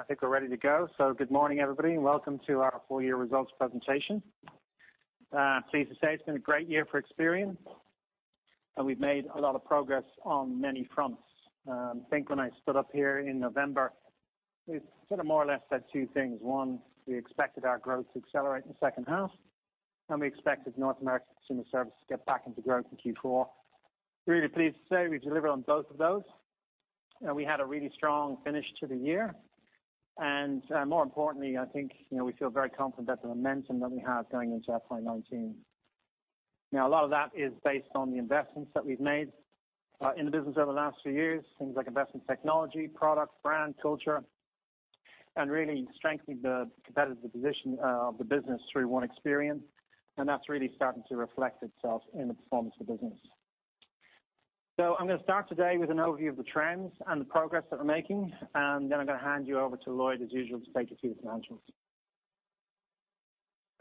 Okay, I think we're ready to go. Good morning, everybody. Welcome to our full year results presentation. Pleased to say it's been a great year for Experian, and we've made a lot of progress on many fronts. I think when I stood up here in November, we sort of more or less said two things. We expected our growth to accelerate in the second half, and we expected North American Consumer Services to get back into growth in Q4. Really pleased to say, we delivered on both of those. We had a really strong finish to the year. More importantly, I think we feel very confident about the momentum that we have going into FY 2019. A lot of that is based on the investments that we've made in the business over the last few years. Things like investment technology, product, brand, culture, and really strengthening the competitive position of the business through One Experian. That's really starting to reflect itself in the performance of the business. I'm going to start today with an overview of the trends and the progress that we're making, then I'm going to hand you over to Lloyd as usual, to take us through the financials.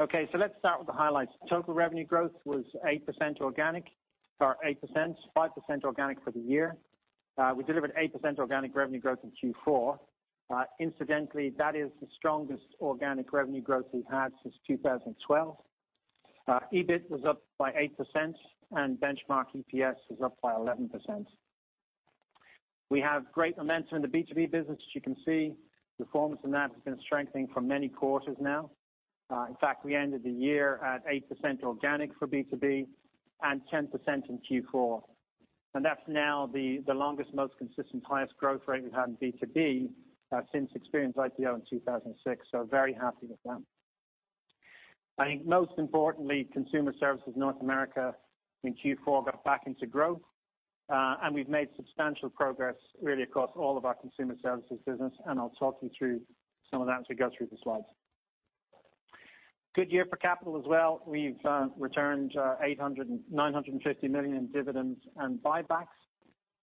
Okay. Let's start with the highlights. Total revenue growth was 8% organic, or 8%, 5% organic for the year. We delivered 8% organic revenue growth in Q4. Incidentally, that is the strongest organic revenue growth we've had since 2012. EBIT was up by 8% and benchmark EPS was up by 11%. We have great momentum in the B2B business. As you can see, performance in that has been strengthening for many quarters now. In fact, we ended the year at 8% organic for B2B and 10% in Q4. That's now the longest, most consistent highest growth rate we've had in B2B since Experian's IPO in 2006, so very happy with that. I think most importantly, Consumer Services North America in Q4 got back into growth. We've made substantial progress really across all of our consumer services business, and I'll talk you through some of that as we go through the slides. Good year for capital as well. We've returned $950 million in dividends and buybacks,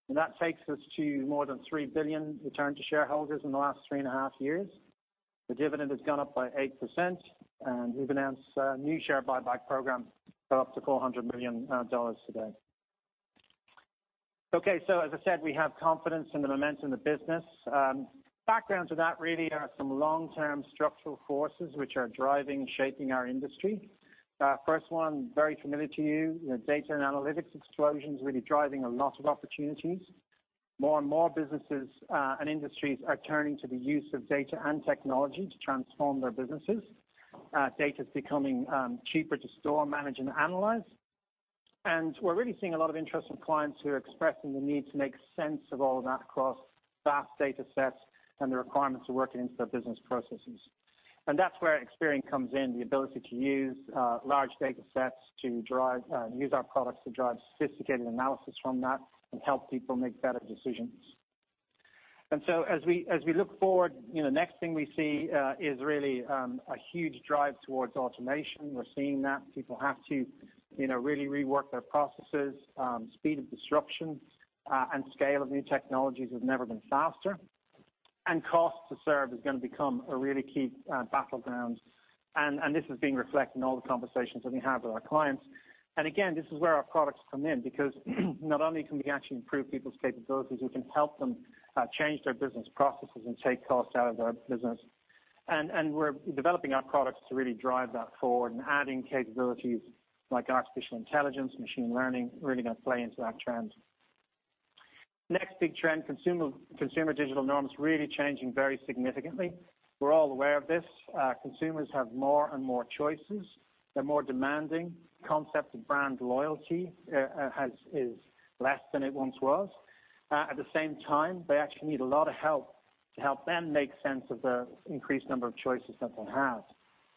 and that takes us to more than $3 billion returned to shareholders in the last three and a half years. The dividend has gone up by 8%, and we've announced a new share buyback program for up to $400 million today. Okay, as I said, we have confidence in the momentum of the business. Background to that really are some long-term structural forces which are driving and shaping our industry. First one, very familiar to you, the data and analytics explosion is really driving a lot of opportunities. More and more businesses and industries are turning to the use of data and technology to transform their businesses. Data's becoming cheaper to store, manage, and analyze. We're really seeing a lot of interest from clients who are expressing the need to make sense of all of that across vast data sets and the requirements of working into their business processes. That's where Experian comes in, the ability to use large data sets to use our products to drive sophisticated analysis from that and help people make better decisions. As we look forward, next thing we see is really a huge drive towards automation. We're seeing that people have to really rework their processes. Speed of disruption and scale of new technologies have never been faster. Cost to serve is going to become a really key battleground. This is being reflected in all the conversations that we have with our clients. Again, this is where our products come in because not only can we actually improve people's capabilities, we can help them change their business processes and take costs out of their business. We're developing our products to really drive that forward and adding capabilities like artificial intelligence, machine learning, really going to play into that trend. Next big trend, consumer digital norms really changing very significantly. We're all aware of this. Consumers have more and more choices. They're more demanding. Concept of brand loyalty is less than it once was. At the same time, they actually need a lot of help to help them make sense of the increased number of choices that they have.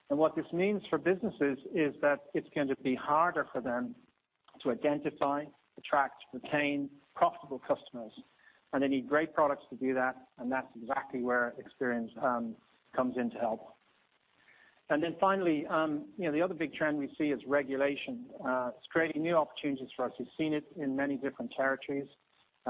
What this means for businesses is that it's going to be harder for them to identify, attract, retain profitable customers. They need great products to do that, and that's exactly where Experian comes in to help. Finally, the other big trend we see is regulation. It's creating new opportunities for us. We've seen it in many different territories.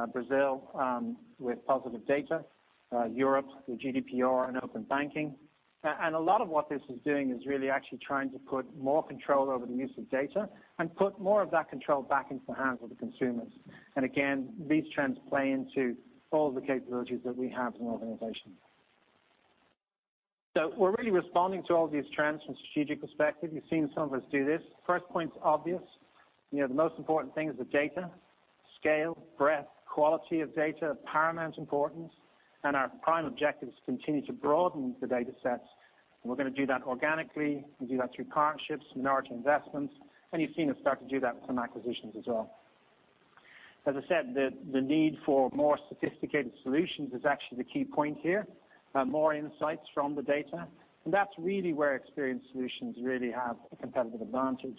Brazil with Positive Data Law, Europe with GDPR and open banking. A lot of what this is doing is really actually trying to put more control over the use of data and put more of that control back into the hands of the consumers. Again, these trends play into all the capabilities that we have as an organization. We're really responding to all these trends from a strategic perspective. You've seen some of us do this. First point's obvious. The most important thing is the data, scale, breadth, quality of data are paramount importance, and our prime objective is to continue to broaden the data sets, and we're going to do that organically. We do that through partnerships, minority investments, and you've seen us start to do that with some acquisitions as well. As I said, the need for more sophisticated solutions is actually the key point here. More insights from the data. That's really where Experian solutions really have a competitive advantage.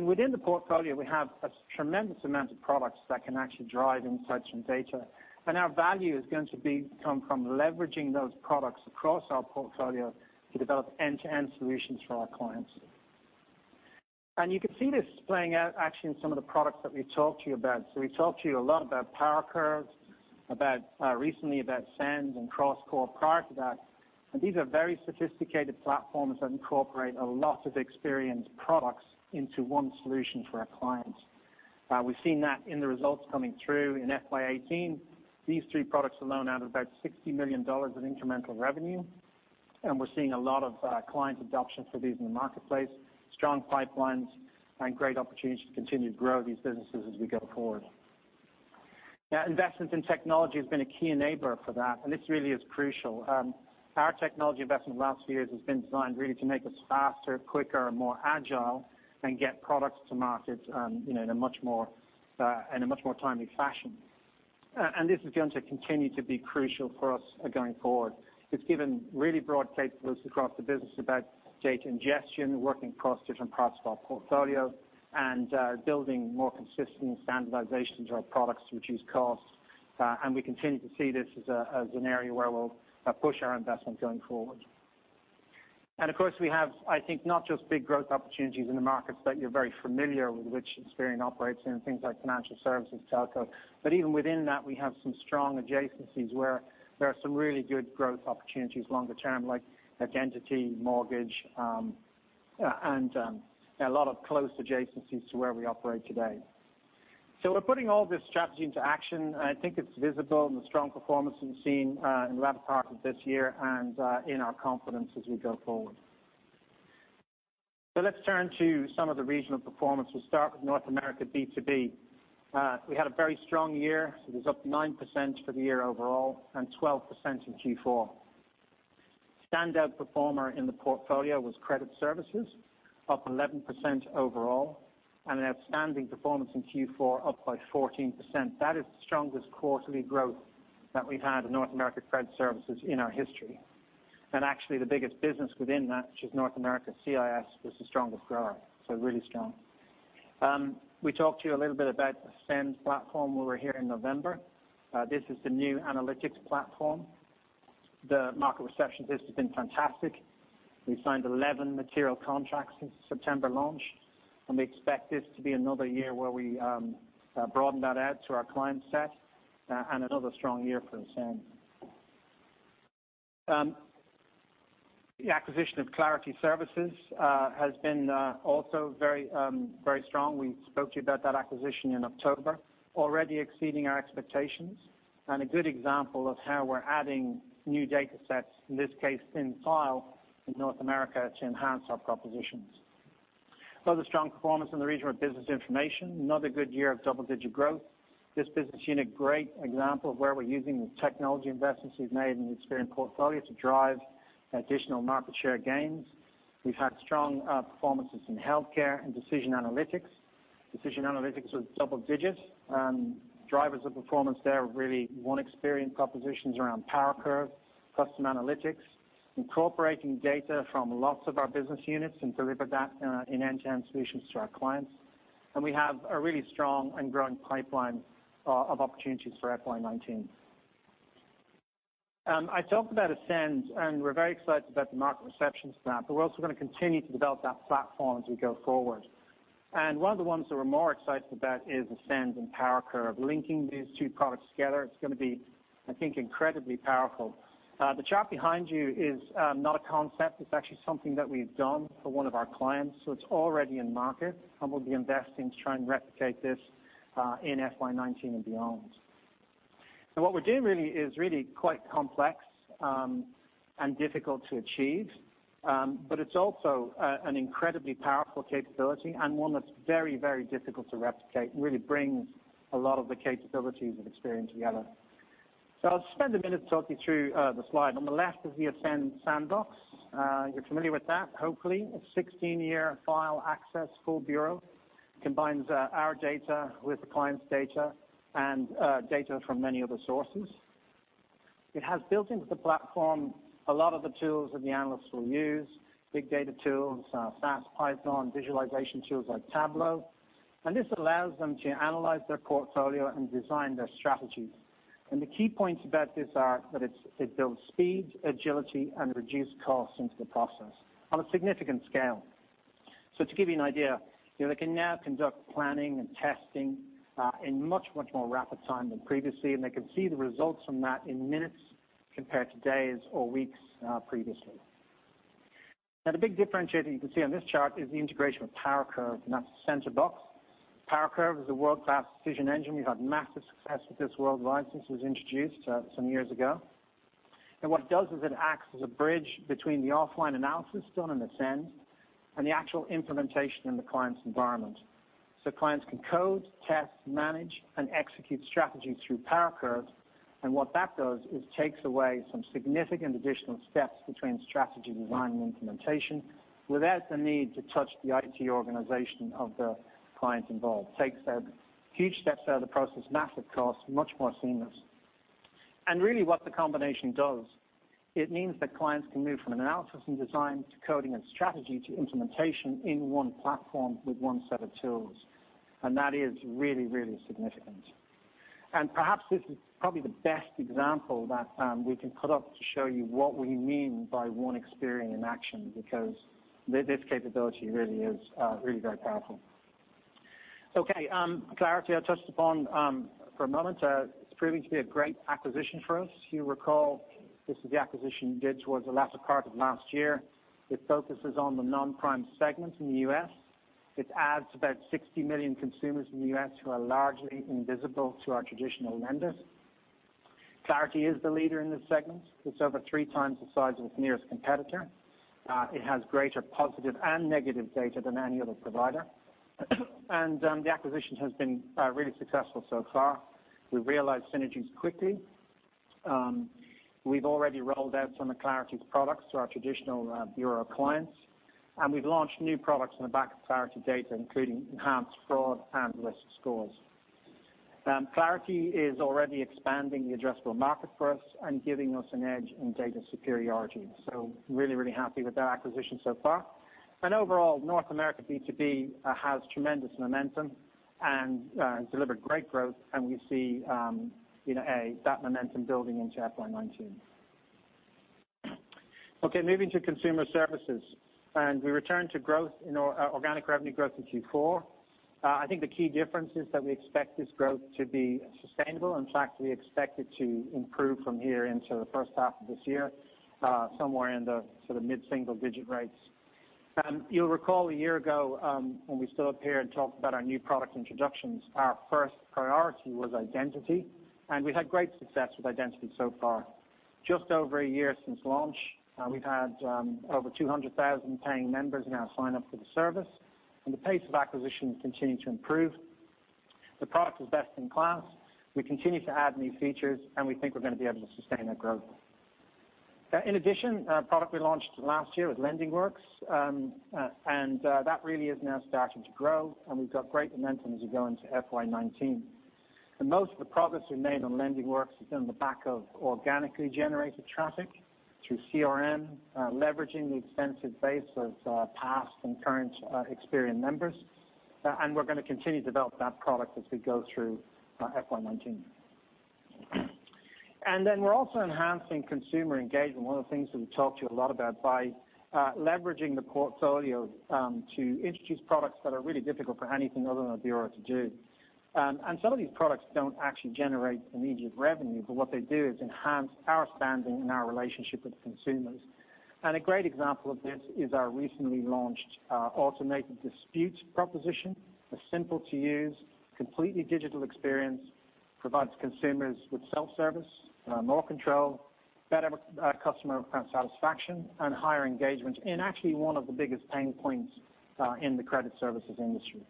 Within the portfolio, we have a tremendous amount of products that can actually drive insights from data. Our value is going to come from leveraging those products across our portfolio to develop end-to-end solutions for our clients. You can see this playing out actually in some of the products that we've talked to you about. We've talked to you a lot about PowerCurve, recently about Ascend and CrossCore prior to that. These are very sophisticated platforms that incorporate a lot of Experian's products into one solution for our clients. We've seen that in the results coming through in FY 2018. These three products alone added about $60 million of incremental revenue, and we're seeing a lot of client adoption for these in the marketplace, strong pipelines, and great opportunities to continue to grow these businesses as we go forward. Investments in technology has been a key enabler for that, and this really is crucial. Our technology investment the last few years has been designed really to make us faster, quicker, more agile, and get products to market in a much more timely fashion. This is going to continue to be crucial for us going forward. It's given really broad capabilities across the business about data ingestion, working across different parts of our portfolio, and building more consistent standardizations into our products to reduce costs. We continue to see this as an area where we'll push our investment going forward. Of course, we have, I think, not just big growth opportunities in the markets that you're very familiar with, which Experian operates in, things like financial services, telco, but even within that, we have some strong adjacencies where there are some really good growth opportunities longer term, like identity, mortgage, and a lot of close adjacencies to where we operate today. We're putting all this strategy into action, and I think it's visible in the strong performance we've seen in the latter part of this year and in our confidence as we go forward. Let's turn to some of the regional performance. We'll start with North America B2B. We had a very strong year. It was up 9% for the year overall and 12% in Q4. Standout performer in the portfolio was credit services, up 11% overall, and an outstanding performance in Q4, up by 14%. That is the strongest quarterly growth that we've had in North America credit services in our history. Actually, the biggest business within that, which is North America CIS, was the strongest grower, so really strong. We talked to you a little bit about Ascend platform when we were here in November. This is the new analytics platform. The market reception to this has been fantastic. We've signed 11 material contracts since the September launch, and we expect this to be another year where we broaden that out to our client set and another strong year for Ascend. The acquisition of Clarity Services has been also very strong. We spoke to you about that acquisition in October, already exceeding our expectations, and a good example of how we're adding new data sets, in this case, thin file in North America, to enhance our propositions. Other strong performance in the region were business information, another good year of double-digit growth. This business unit, great example of where we're using the technology investments we've made in the Experian portfolio to drive additional market share gains. We've had strong performances in healthcare and Decision Analytics. Decision Analytics was double digits. Drivers of performance there are really One Experian propositions around PowerCurve, custom analytics, incorporating data from lots of our business units, and deliver that in end-to-end solutions to our clients. We have a really strong and growing pipeline of opportunities for FY 2019. I talked about Ascend, and we're very excited about the market reception to that, but we're also going to continue to develop that platform as we go forward. One of the ones that we're more excited about is Ascend and PowerCurve. Linking these two products together, it's going to be, I think, incredibly powerful. The chart behind you is not a concept. It's actually something that we've done for one of our clients, so it's already in market, and we'll be investing to try and replicate this in FY 2019 and beyond. What we're doing really is really quite complex and difficult to achieve, but it's also an incredibly powerful capability and one that's very difficult to replicate, really brings a lot of the capabilities of Experian together. I'll spend a minute to talk you through the slide. On the left is the Ascend sandbox. You're familiar with that, hopefully. A 16-year file access full bureau. Combines our data with the client's data and data from many other sources. It has built into the platform a lot of the tools that the analysts will use, big data tools, SAS, Python, visualization tools like Tableau. This allows them to analyze their portfolio and design their strategies. The key points about this are that it builds speed, agility, and reduced costs into the process on a significant scale. To give you an idea, they can now conduct planning and testing in much more rapid time than previously, and they can see the results from that in minutes compared to days or weeks previously. The big differentiator you can see on this chart is the integration with PowerCurve, and that's the center box. PowerCurve is a world-class decision engine. We've had massive success with this worldwide since it was introduced some years ago. What it does is it acts as a bridge between the offline analysis done in Ascend and the actual implementation in the client's environment. Clients can code, test, manage, and execute strategies through PowerCurve, and what that does is takes away some significant additional steps between strategy design and implementation without the need to touch the IT organization of the clients involved. It takes out huge steps out of the process, massive cost, much more seamless. Really what the combination does, it means that clients can move from an analysis and design to coding and strategy to implementation in one platform with one set of tools. That is really significant. Perhaps this is probably the best example that we can put up to show you what we mean by One Experian in action because this capability really is very powerful. Clarity I touched upon for a moment. It's proving to be a great acquisition for us. You recall, this is the acquisition we did towards the latter part of last year. It focuses on the non-prime segment in the U.S. It adds about 60 million consumers in the U.S. who are largely invisible to our traditional lenders. Clarity is the leader in this segment. It's over 3 times the size of its nearest competitor. It has greater positive and negative data than any other provider. The acquisition has been really successful so far. We realized synergies quickly. We've already rolled out some of Clarity's products to our traditional bureau clients, and we've launched new products on the back of Clarity data, including enhanced fraud and risk scores. Clarity is already expanding the addressable market for us and giving us an edge in data superiority. Really, really happy with that acquisition so far. Overall, North America B2B has tremendous momentum and delivered great growth, and we see that momentum building into FY 2019. Moving to consumer services. We return to growth in organic revenue growth in Q4. I think the key difference is that we expect this growth to be sustainable. In fact, we expect it to improve from here into the first half of this year, somewhere in the mid-single-digit rates. You will recall a year ago, when we stood up here and talked about our new product introductions, our first priority was identity, and we have had great success with identity so far. Just over a year since launch, we have had over 200,000 paying members now sign up for the service, and the pace of acquisition has continued to improve. The product is best in class. We continue to add new features, and we think we are going to be able to sustain that growth. In addition, a product we launched last year was Lending Works, and that really is now starting to grow, and we have got great momentum as we go into FY 2019. Most of the progress we have made on Lending Works has been on the back of organically generated traffic through CRM, leveraging the extensive base of past and current Experian members. We are going to continue to develop that product as we go through FY 2019. We are also enhancing consumer engagement, one of the things that we have talked to you a lot about, by leveraging the portfolio to introduce products that are really difficult for anything other than a bureau to do. Some of these products do not actually generate immediate revenue, but what they do is enhance our standing and our relationship with consumers. A great example of this is our recently launched automated disputes proposition. A simple-to-use, completely digital experience, provides consumers with self-service, more control, better customer satisfaction, and higher engagement in actually one of the biggest pain points in the credit services industry.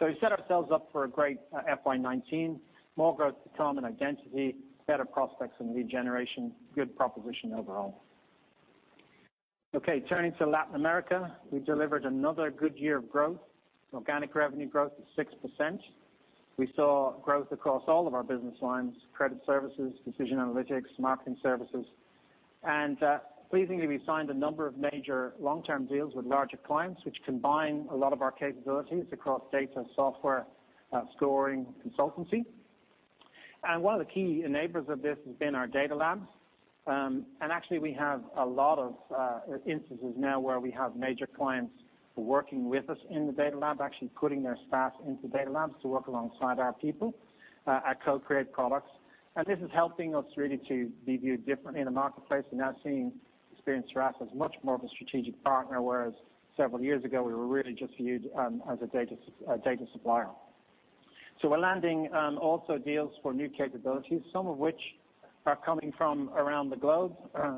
We set ourselves up for a great FY 2019. More growth to come in identity, better prospects in regeneration, good proposition overall. Turning to Latin America. We delivered another good year of growth. Organic revenue growth of 6%. We saw growth across all of our business lines, credit services, decision analytics, marketing services. Pleasingly, we signed a number of major long-term deals with larger clients, which combine a lot of our capabilities across data, software, scoring, consultancy. One of the key enablers of this has been our data labs. Actually, we have a lot of instances now where we have major clients working with us in the data lab, actually putting their staff into data labs to work alongside our people at co-create products. This is helping us really to be viewed differently in the marketplace. We are now seeing Serasa Experian as much more of a strategic partner, whereas several years ago, we were really just viewed as a data supplier. We are landing also deals for new capabilities, some of which are coming from around the globe.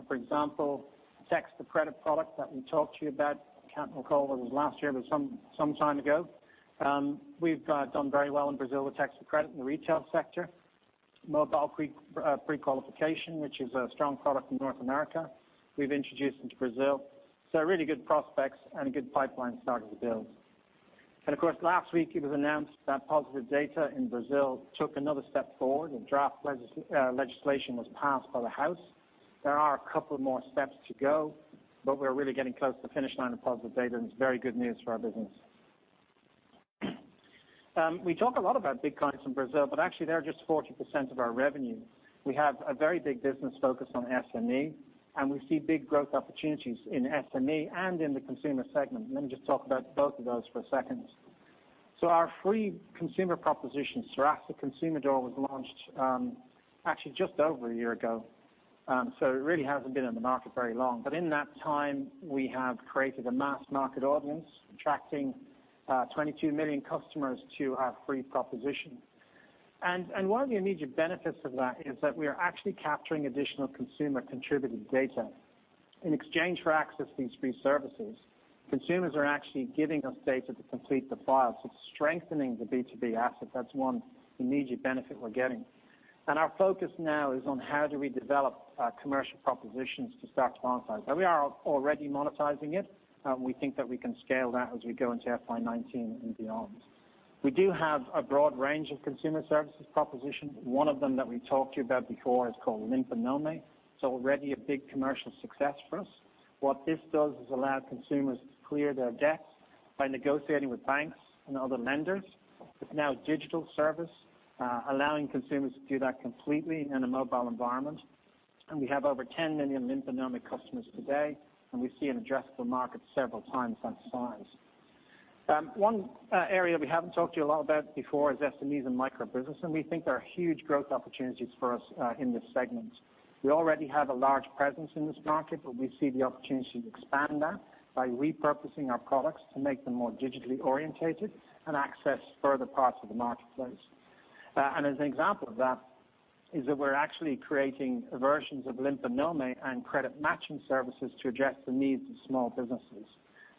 For example, Text for Credit product that we talked to you about, cannot recall whether it was last year, but some time ago. We have done very well in Brazil with Text for Credit in the retail sector. Mobile pre-qualification, which is a strong product in North America, we have introduced into Brazil. Of course, last week it was announced that Positive Data Law in Brazil took another step forward and draft legislation was passed by the House. There are a couple more steps to go, but we're really getting close to the finish line of Positive Data, and it's very good news for our business. We talk a lot about big clients in Brazil, but actually they're just 40% of our revenue. We have a very big business focus on SME, and we see big growth opportunities in SME and in the consumer segment. Let me just talk about both of those for a second. Our free consumer proposition, Serasa Consumidor, was launched actually just over a year ago. It really hasn't been in the market very long. In that time, we have created a mass-market audience, attracting 22 million customers to our free proposition. One of the immediate benefits of that is that we are actually capturing additional consumer-contributed data. In exchange for access to these free services, consumers are actually giving us data to complete the file. It's strengthening the B2B asset. That's one immediate benefit we're getting. Our focus now is on how do we develop commercial propositions to start to monetize. Now we are already monetizing it. We think that we can scale that as we go into FY 2019 and beyond. We do have a broad range of consumer services propositions. One of them that we've talked to you about before is called Limpa Nome. It's already a big commercial success for us. What this does is allow consumers to clear their debts by negotiating with banks and other lenders. It's now a digital service, allowing consumers to do that completely in a mobile environment. We have over 10 million Limpa Nome customers today, and we see an addressable market several times that size. One area we haven't talked to you a lot about before is SMEs and micro business, and we think there are huge growth opportunities for us in this segment. We already have a large presence in this market, but we see the opportunity to expand that by repurposing our products to make them more digitally orientated and access further parts of the marketplace. As an example of that, is that we're actually creating versions of Limpa Nome and credit matching services to address the needs of small businesses.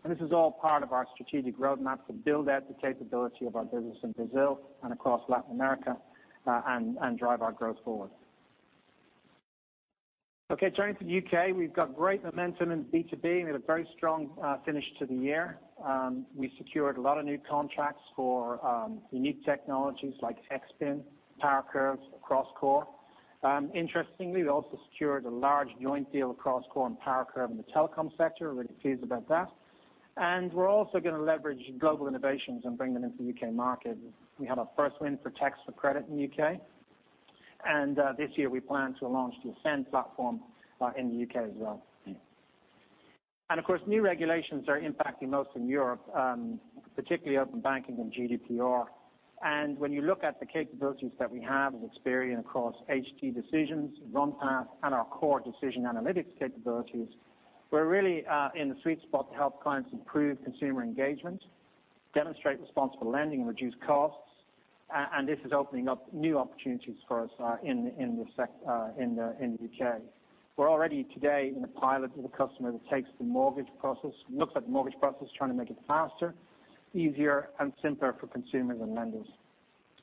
This is all part of our strategic roadmap to build out the capability of our business in Brazil and across Latin America, and drive our growth forward. Turning to the U.K. We've got great momentum in B2B, and we had a very strong finish to the year. We secured a lot of new contracts for unique technologies like X-Spin, PowerCurve, CrossCore. Interestingly, we also secured a large joint deal with CrossCore and PowerCurve in the telecom sector. Really pleased about that. We're also going to leverage global innovations and bring them into the U.K. market. We had our first win for Text for Credit in the U.K., and this year we plan to launch the Ascend Platform in the U.K. as well. Of course, new regulations are impacting most of Europe, particularly open banking and GDPR. When you look at the capabilities that we have as Experian across HD Decisions, Runpath, and our core decision analytics capabilities, we're really in the sweet spot to help clients improve consumer engagement, demonstrate responsible lending, and reduce costs. This is opening up new opportunities for us in the U.K. We're already today in a pilot with a customer that takes the mortgage process, looks at the mortgage process, trying to make it faster, easier, and simpler for consumers and lenders.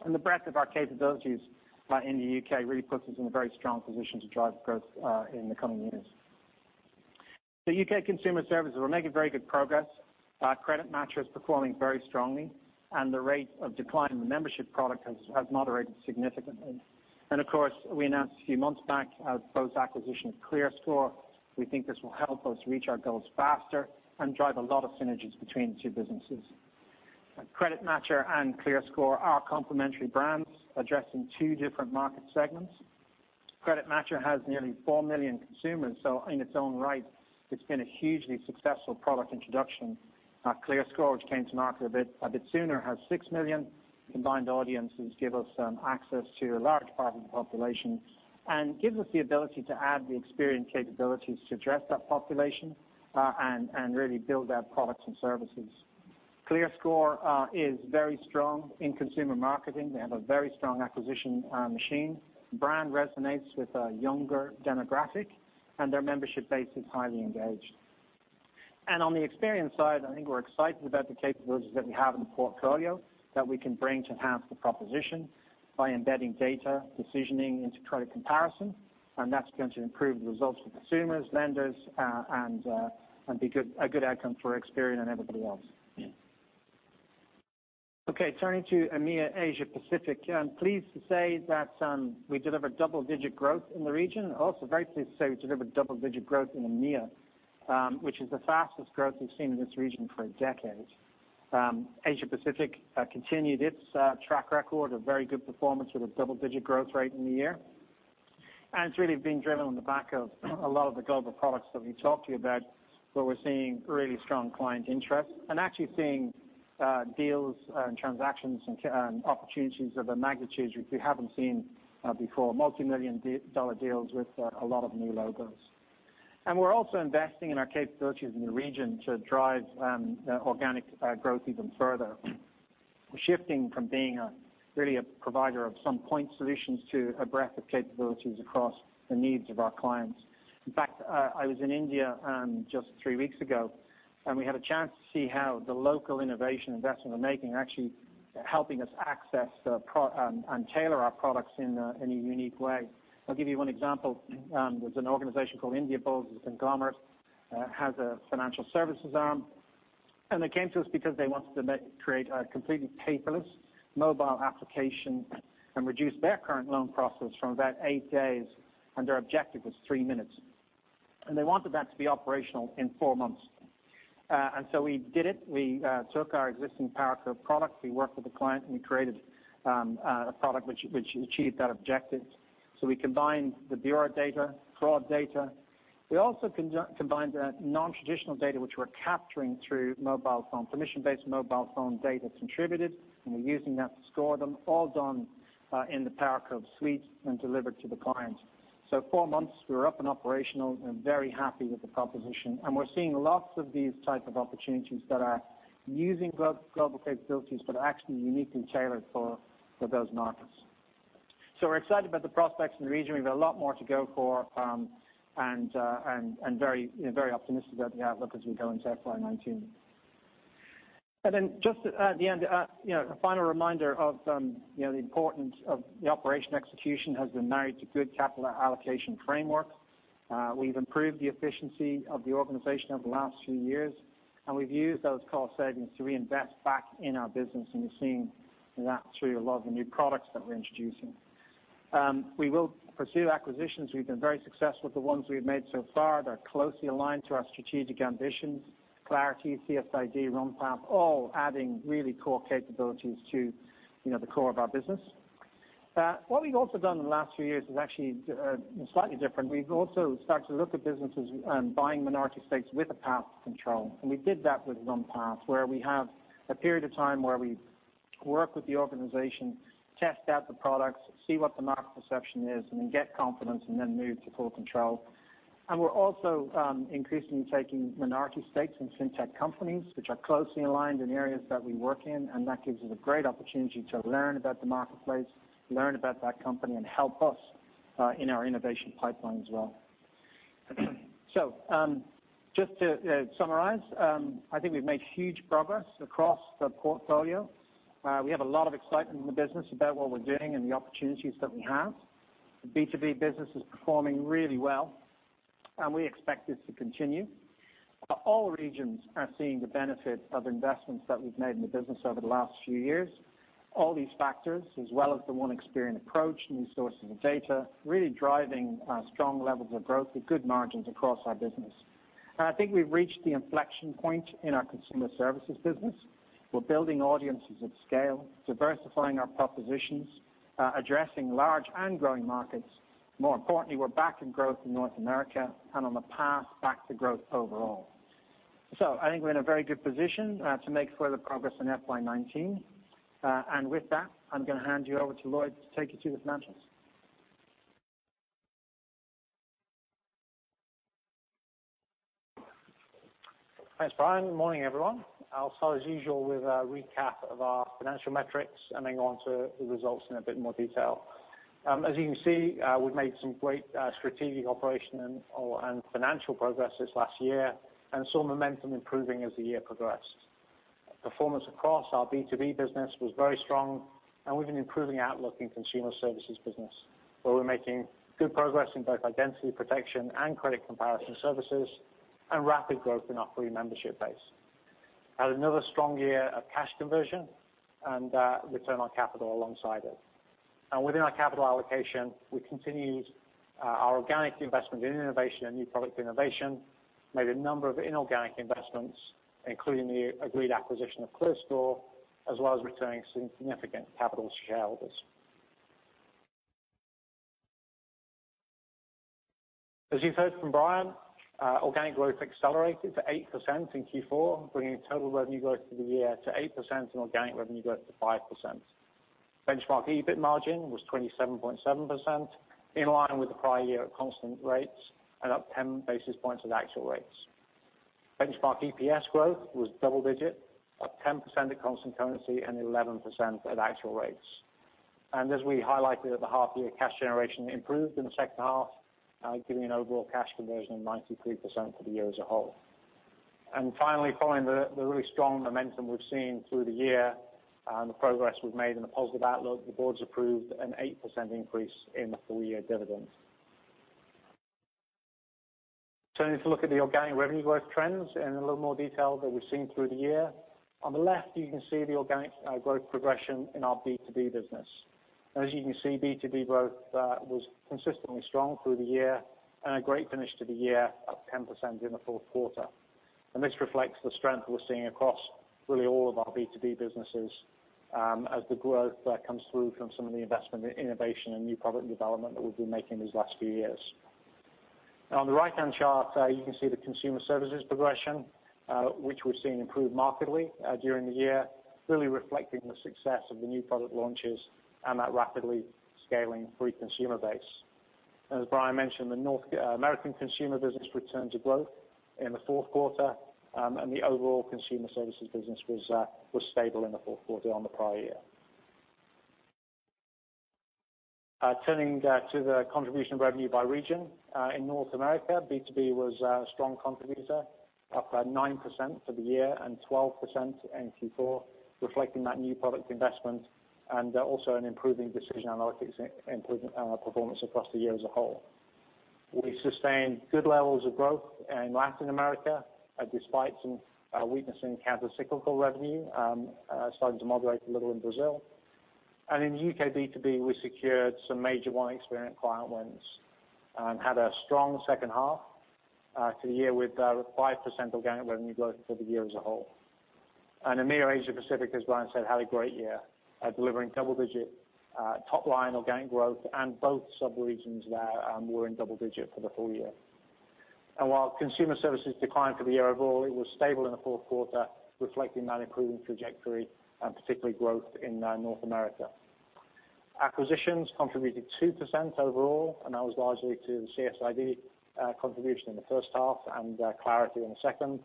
The breadth of our capabilities in the U.K. really puts us in a very strong position to drive growth in the coming years. U.K. consumer services, we're making very good progress. CreditMatcher is performing very strongly, and the rate of decline in the membership product has moderated significantly. Of course, we announced a few months back our proposed acquisition of ClearScore. We think this will help us reach our goals faster and drive a lot of synergies between the two businesses. CreditMatcher and ClearScore are complementary brands addressing two different market segments. CreditMatcher has nearly four million consumers. In its own right, it's been a hugely successful product introduction. ClearScore, which came to market a bit sooner, has six million combined audiences, give us access to a large part of the population, and gives us the ability to add the Experian capabilities to address that population, and really build our products and services. ClearScore is very strong in consumer marketing. They have a very strong acquisition machine. The brand resonates with a younger demographic, and their membership base is highly engaged. On the Experian side, I think we're excited about the capabilities that we have in the portfolio that we can bring to enhance the proposition by embedding data decisioning into credit comparison. That's going to improve the results for consumers, lenders, and be a good outcome for Experian and everybody else. Okay. Turning to EMEA, Asia Pacific. I'm pleased to say that we delivered double-digit growth in the region, and also very pleased to say we delivered double-digit growth in EMEA, which is the fastest growth we've seen in this region for a decade. Asia Pacific continued its track record of very good performance with a double-digit growth rate in the year. It's really been driven on the back of a lot of the global products that we've talked to you about, where we're seeing really strong client interest and actually seeing deals and transactions and opportunities of a magnitude which we haven't seen before, multimillion-dollar deals with a lot of new logos. We're also investing in our capabilities in the region to drive organic growth even further. We're shifting from being really a provider of some point solutions to a breadth of capabilities across the needs of our clients. In fact, I was in India just three weeks ago. We had a chance to see how the local innovation investments we're making are actually helping us access and tailor our products in a unique way. I'll give you one example. There's an organization called Indiabulls. It's a conglomerate, has a financial services arm, and they came to us because they wanted to create a completely paperless mobile application and reduce their current loan process from about eight days, and their objective was three minutes. They wanted that to be operational in four months. We did it. We took our existing PowerCurve product. We worked with the client, and we created a product which achieved that objective. We combined the bureau data, fraud data. We also combined non-traditional data which we're capturing through mobile phone, permission-based mobile phone data contributed, and we're using that to score them, all done in the PowerCurve suite and delivered to the client. So four months, we were up and operational and very happy with the proposition. We're seeing lots of these type of opportunities that are using global capabilities but are actually uniquely tailored for those markets. We're excited about the prospects in the region. We've got a lot more to go for, and very optimistic about the outlook as we go into FY 2019. Just at the end, a final reminder of the importance of the operation execution has been married to good capital allocation framework. We've improved the efficiency of the organization over the last few years, and we've used those cost savings to reinvest back in our business, and you're seeing that through a lot of the new products that we're introducing. We will pursue acquisitions. We've been very successful with the ones we've made so far. They're closely aligned to our strategic ambitions, Clarity, CSID, Runpath, all adding really core capabilities to the core of our business. What we've also done in the last few years is actually slightly different. We've also started to look at businesses and buying minority stakes with a path to control. We did that with Runpath, where we have a period of time where we've work with the organization, test out the products, see what the market perception is, and then get confidence, and then move to full control. We're also increasingly taking minority stakes in fintech companies, which are closely aligned in areas that we work in, and that gives us a great opportunity to learn about the marketplace, learn about that company, and help us in our innovation pipeline as well. Just to summarize, I think we've made huge progress across the portfolio. We have a lot of excitement in the business about what we're doing and the opportunities that we have. The B2B business is performing really well, and we expect this to continue. All regions are seeing the benefits of investments that we've made in the business over the last few years. All these factors, as well as the One Experian approach, new sources of data, really driving strong levels of growth with good margins across our business. I think we've reached the inflection point in our consumer services business. We're building audiences at scale, diversifying our propositions, addressing large and growing markets. More importantly, we're back in growth in North America and on the path back to growth overall. I think we're in a very good position to make further progress in FY 2019. With that, I'm going to hand you over to Lloyd to take you through the financials. Thanks, Brian. Morning, everyone. I'll start as usual with a recap of our financial metrics and then go on to the results in a bit more detail. As you can see, we've made some great strategic operation and financial progress this last year and saw momentum improving as the year progressed. Performance across our B2B business was very strong, and with an improving outlook in consumer services business, where we're making good progress in both identity protection and credit comparison services, and rapid growth in our free membership base. We had another strong year of cash conversion and return on capital alongside it. Within our capital allocation, we continued our organic investment in innovation and new product innovation. We made a number of inorganic investments, including the agreed acquisition of ClearScore, as well as returning some significant capital to shareholders. As you've heard from Brian, organic growth accelerated to 8% in Q4, bringing total revenue growth for the year to 8% and organic revenue growth to 5%. Benchmark EBIT margin was 27.7%, in line with the prior year at constant rates and up 10 basis points at actual rates. Benchmark EPS growth was double digit, up 10% at constant currency and 11% at actual rates. As we highlighted at the half year, cash generation improved in the second half, giving an overall cash conversion of 93% for the year as a whole. Finally, following the really strong momentum we've seen through the year and the progress we've made and the positive outlook, the board's approved an 8% increase in the full-year dividend. Turning to look at the organic revenue growth trends in a little more detail that we've seen through the year. On the left, you can see the organic growth progression in our B2B business. As you can see, B2B growth was consistently strong through the year and a great finish to the year, up 10% in the fourth quarter. This reflects the strength we're seeing across really all of our B2B businesses as the growth comes through from some of the investment in innovation and new product development that we've been making these last few years. Now, on the right-hand chart, you can see the consumer services progression which we're seeing improve markedly during the year, really reflecting the success of the new product launches and that rapidly scaling free consumer base. As Brian mentioned, the North American consumer business returned to growth in the fourth quarter, and the overall consumer services business was stable in the fourth quarter on the prior year. Turning to the contribution revenue by region. In North America, B2B was a strong contributor, up 9% for the year and 12% in Q4, reflecting that new product investment and also an improving Decision Analytics improvement performance across the year as a whole. We sustained good levels of growth in Latin America, despite some weakness in countercyclical revenue, starting to moderate a little in Brazil. In the U.K. B2B, we secured some major One Experian client wins and had a strong second half to the year with 5% organic revenue growth for the year as a whole. EMEA Asia Pacific, as Brian said, had a great year delivering double-digit top-line organic growth, and both sub-regions there were in double digit for the full year. While consumer services declined for the year overall, it was stable in the fourth quarter, reflecting that improving trajectory and particularly growth in North America. Acquisitions contributed 2% overall, and that was largely to the CSID contribution in the first half and Clarity in the second.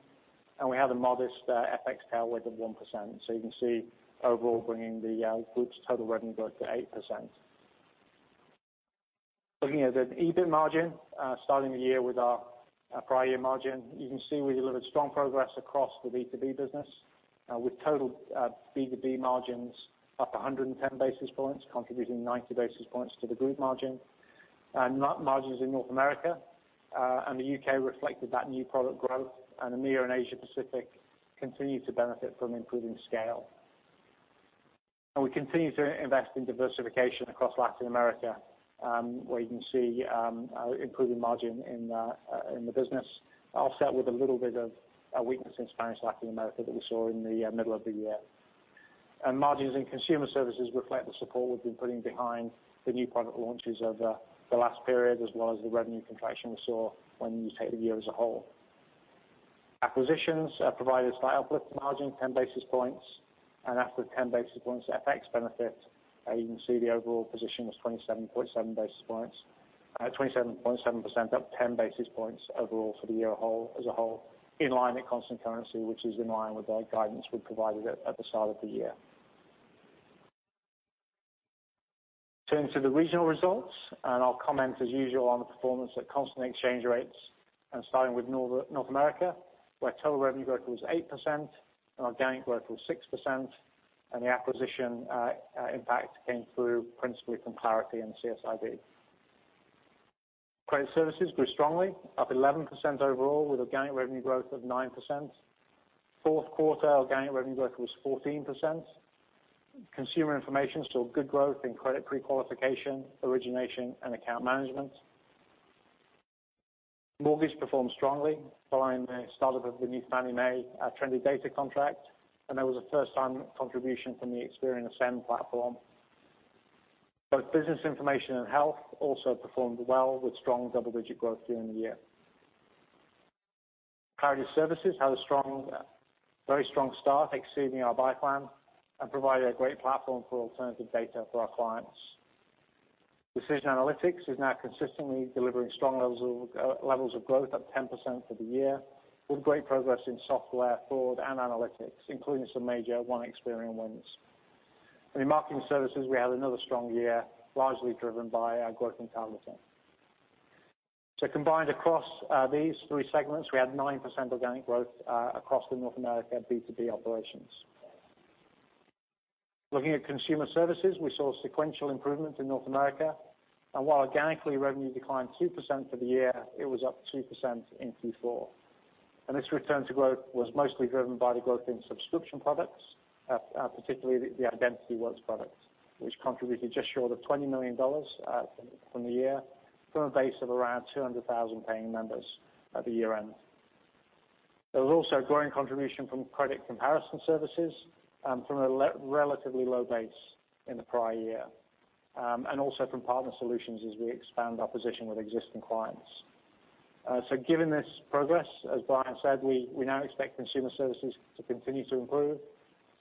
We had a modest FX tailwind of 1%. You can see overall bringing the group's total revenue growth to 8%. Looking at the EBIT margin, starting the year with our prior year margin. You can see we delivered strong progress across the B2B business with total B2B margins up 110 basis points, contributing 90 basis points to the group margin. Margins in North America and the U.K. reflected that new product growth, and EMEA and Asia Pacific continued to benefit from improving scale. We continue to invest in diversification across Latin America, where you can see improving margin in the business, offset with a little bit of a weakness in Spanish Latin America that we saw in the middle of the year. Margins in consumer services reflect the support we've been putting behind the new product launches over the last period, as well as the revenue contraction we saw when you take the year as a whole. Acquisitions provided slight uplift to margin 10 basis points, and after the 10 basis points FX benefit, you can see the overall position was 27.7% up 10 basis points overall for the year as a whole, in line at constant currency, which is in line with our guidance we provided at the start of the year. Turning to the regional results, I'll comment as usual on the performance at constant exchange rates, starting with North America, where total revenue growth was 8% and organic growth was 6%, the acquisition impact came through principally from Clarity and CSID. Credit Services grew strongly, up 11% overall, with organic revenue growth of 9%. Fourth quarter organic revenue growth was 14%. Consumer Information saw good growth in credit pre-qualification, origination, and account management. Mortgage performed strongly following the startup of the new Fannie Mae trended data contract, and there was a first-time contribution from the Experian Ascend Platform. Both Business Information and Health also performed well with strong double-digit growth during the year. Clarity Services had a very strong start, exceeding our buy plan and provided a great platform for alternative data for our clients. Decision Analytics is now consistently delivering strong levels of growth up 10% for the year, with great progress in software, fraud, and analytics, including some major One Experian wins. In Marketing Services, we had another strong year, largely driven by our growth in targeting. Combined across these three segments, we had 9% organic growth across the North America B2B operations. Looking at Consumer Services, we saw sequential improvement in North America. While organically revenue declined 2% for the year, it was up 2% in Q4. This return to growth was mostly driven by the growth in subscription products, particularly the IdentityWorks product, which contributed just short of $20 million from the year from a base of around 200,000 paying members at the year-end. There was also a growing contribution from credit comparison services from a relatively low base in the prior year. Also from partner solutions as we expand our position with existing clients. Given this progress, as Brian said, we now expect Consumer Services to continue to improve,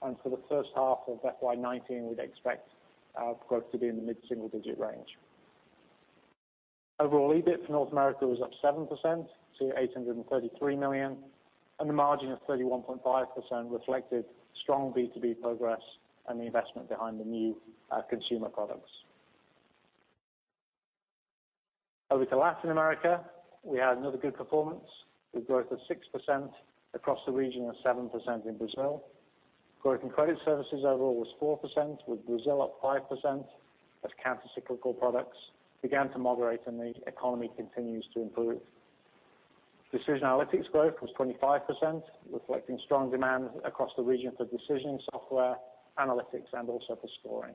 and for the first half of FY 2019, we would expect our growth to be in the mid-single-digit range. Overall, EBIT for North America was up 7% to $833 million, and the margin of 31.5% reflected strong B2B progress and the investment behind the new consumer products. Over to Latin America, we had another good performance with growth of 6% across the region and 7% in Brazil. Growth in Credit Services overall was 4%, with Brazil up 5% as countercyclical products began to moderate and the economy continues to improve. Decision Analytics growth was 25%, reflecting strong demand across the region for decisioning software, analytics, and also for scoring.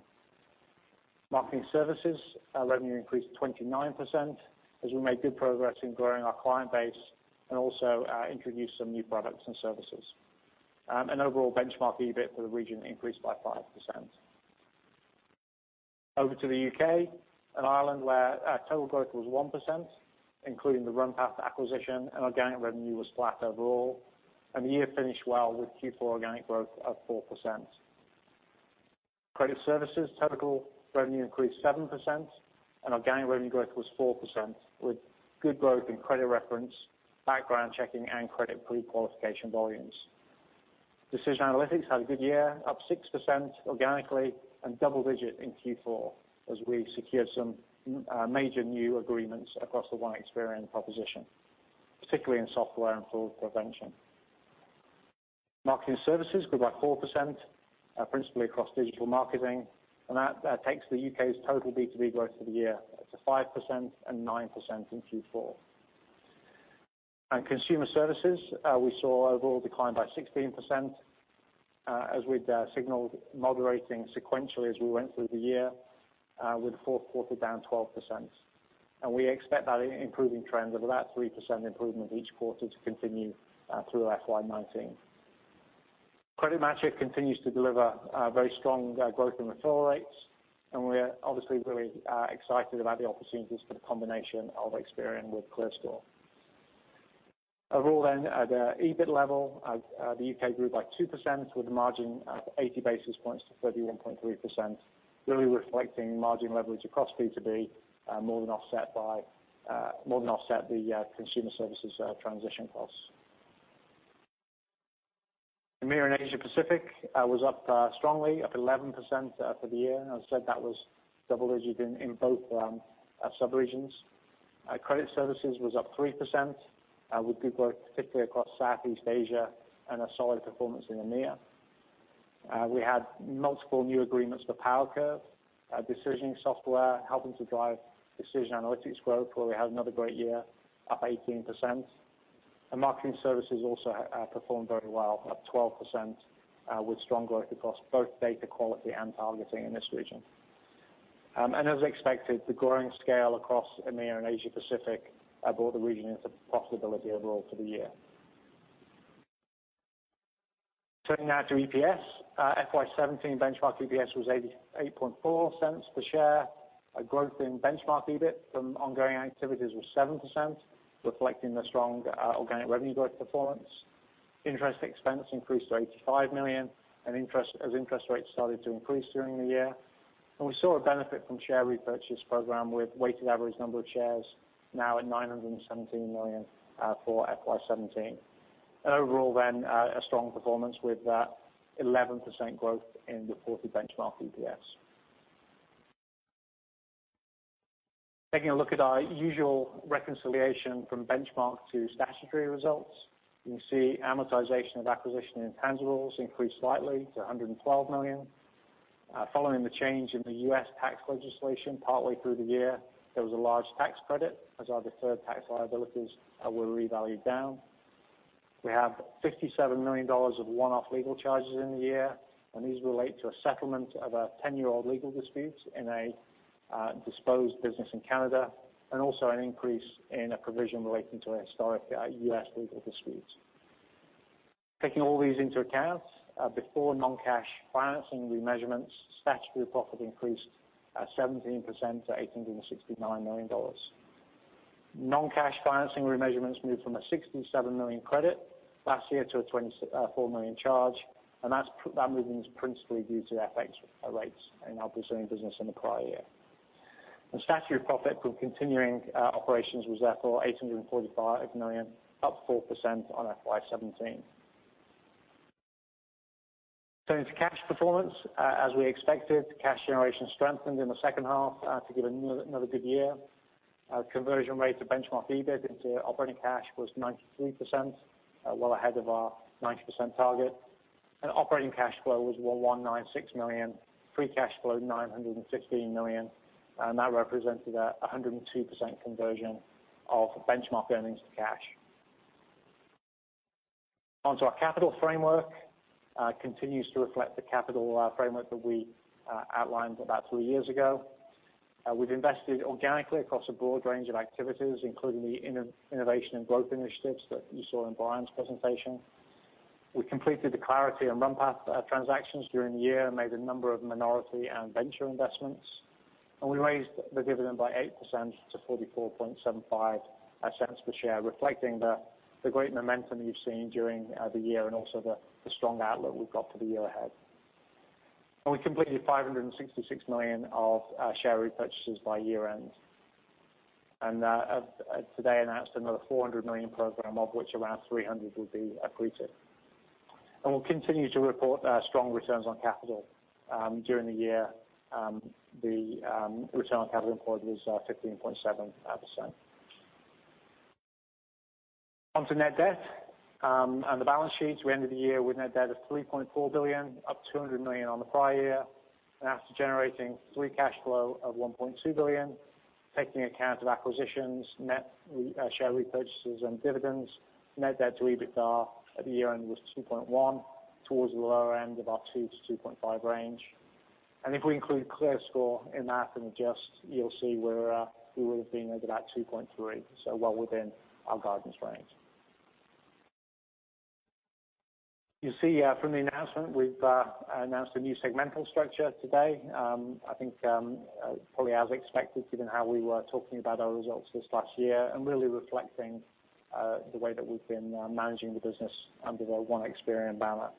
Marketing Services revenue increased 29% as we made good progress in growing our client base and also introduced some new products and services. Overall benchmark EBIT for the region increased by 5%. Over to the U.K. and Ireland, where our total growth was 1%, including the Runpath acquisition and organic revenue was flat overall, and the year finished well with Q4 organic growth of 4%. Credit Services total revenue increased 7%, and organic revenue growth was 4%, with good growth in credit reference, background checking, and credit pre-qualification volumes. Decision Analytics had a good year, up 6% organically and double digit in Q4 as we secured some major new agreements across the One Experian proposition, particularly in software and fraud prevention. Marketing Services grew by 4%, principally across digital marketing, and that takes the U.K.'s total B2B growth for the year to 5% and 9% in Q4. In Consumer Services, we saw overall decline by 16%, as we had signaled moderating sequentially as we went through the year, with the fourth quarter down 12%. We expect that improving trend of about 3% improvement each quarter to continue through FY 2019. CreditMatcher continues to deliver very strong growth in referral rates, and we are obviously very excited about the opportunities for the combination of Experian with ClearScore. At the EBIT level, the U.K. grew by 2% with a margin up 80 basis points to 31.3%, really reflecting margin leverage across B2B, more than offset the consumer services transition costs. EMEA and Asia Pacific was up strongly, up 11% for the year. As I said, that was double digits in both sub-regions. Credit Services was up 3% with good growth, particularly across Southeast Asia and a solid performance in EMEA. We had multiple new agreements for PowerCurve Decisioning Software, helping to drive Decision Analytics growth, where we had another great year up 18%. Marketing Services also performed very well, up 12% with strong growth across both data quality and targeting in this region. As expected, the growing scale across EMEA and Asia Pacific brought the region into profitability overall for the year. Turning now to EPS. FY 2017 benchmark EPS was $0.884 per share. A growth in benchmark EBIT from ongoing activities was 7%, reflecting the strong organic revenue growth performance. Interest expense increased to $85 million as interest rates started to increase during the year. We saw a benefit from share repurchase program with weighted average number of shares now at 917 million for FY 2017. A strong performance with 11% growth in reported benchmark EPS. Taking a look at our usual reconciliation from benchmark to statutory results. You can see amortization of acquisition intangibles increased slightly to $112 million. Following the change in the U.S. tax legislation partly through the year, there was a large tax credit as our deferred tax liabilities were revalued down. We have $57 million of one-off legal charges in the year. These relate to a settlement of a 10-year-old legal dispute in a disposed business in Canada, and also an increase in a provision relating to a historic U.S. legal dispute. Taking all these into account, before non-cash financing remeasurements, statutory profit increased 17% to $869 million. Non-cash financing remeasurements moved from a $67 million credit last year to a $24 million charge. That movement is principally due to FX rates in our Brazilian business in the prior year. Statutory profit from continuing operations was therefore $845 million, up 4% on FY 2017. Turning to cash performance. As we expected, cash generation strengthened in the second half to give another good year. Conversion rate to benchmark EBIT into operating cash was 93%, well ahead of our 90% target. Operating cash flow was $196 million, free cash flow $916 million. That represented 102% conversion of benchmark earnings to cash. On to our capital framework. Continues to reflect the capital framework that we outlined about three years ago. We've invested organically across a broad range of activities, including the innovation and growth initiatives that you saw in Brian's presentation. We completed the Clarity and Runpath transactions during the year, and made a number of minority and venture investments. We raised the dividend by 8% to $0.4475 per share, reflecting the great momentum you've seen during the year. Also the strong outlook we've got for the year ahead. We completed $566 million of share repurchases by year-end. Today announced another $400 million program, of which around $300 million will be accretive. We'll continue to report strong returns on capital. During the year, the return on capital employed was 15.7%. On to net debt and the balance sheet. We ended the year with net debt of $3.4 billion, up $200 million on the prior year. After generating free cash flow of $1.2 billion, taking account of acquisitions, net share repurchases, and dividends, net debt to EBITDA at the year-end was 2.1, towards the lower end of our 2-2.5 range. If we include ClearScore in that and adjust, you'll see we would have been over about 2.3, so well within our guidance range. You see from the announcement, we've announced a new segmental structure today. I think probably as expected, given how we were talking about our results this last year. Really reflecting the way that we've been managing the business under the One Experian banner.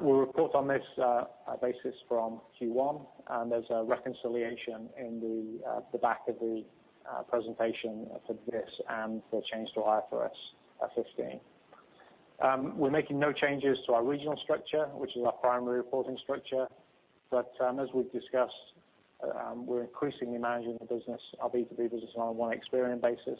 We'll report on this basis from Q1. There's a reconciliation in the back of the presentation for this and the change to IFRS 15. We're making no changes to our regional structure, which is our primary reporting structure. As we've discussed, we're increasingly managing our B2B business on a One Experian basis.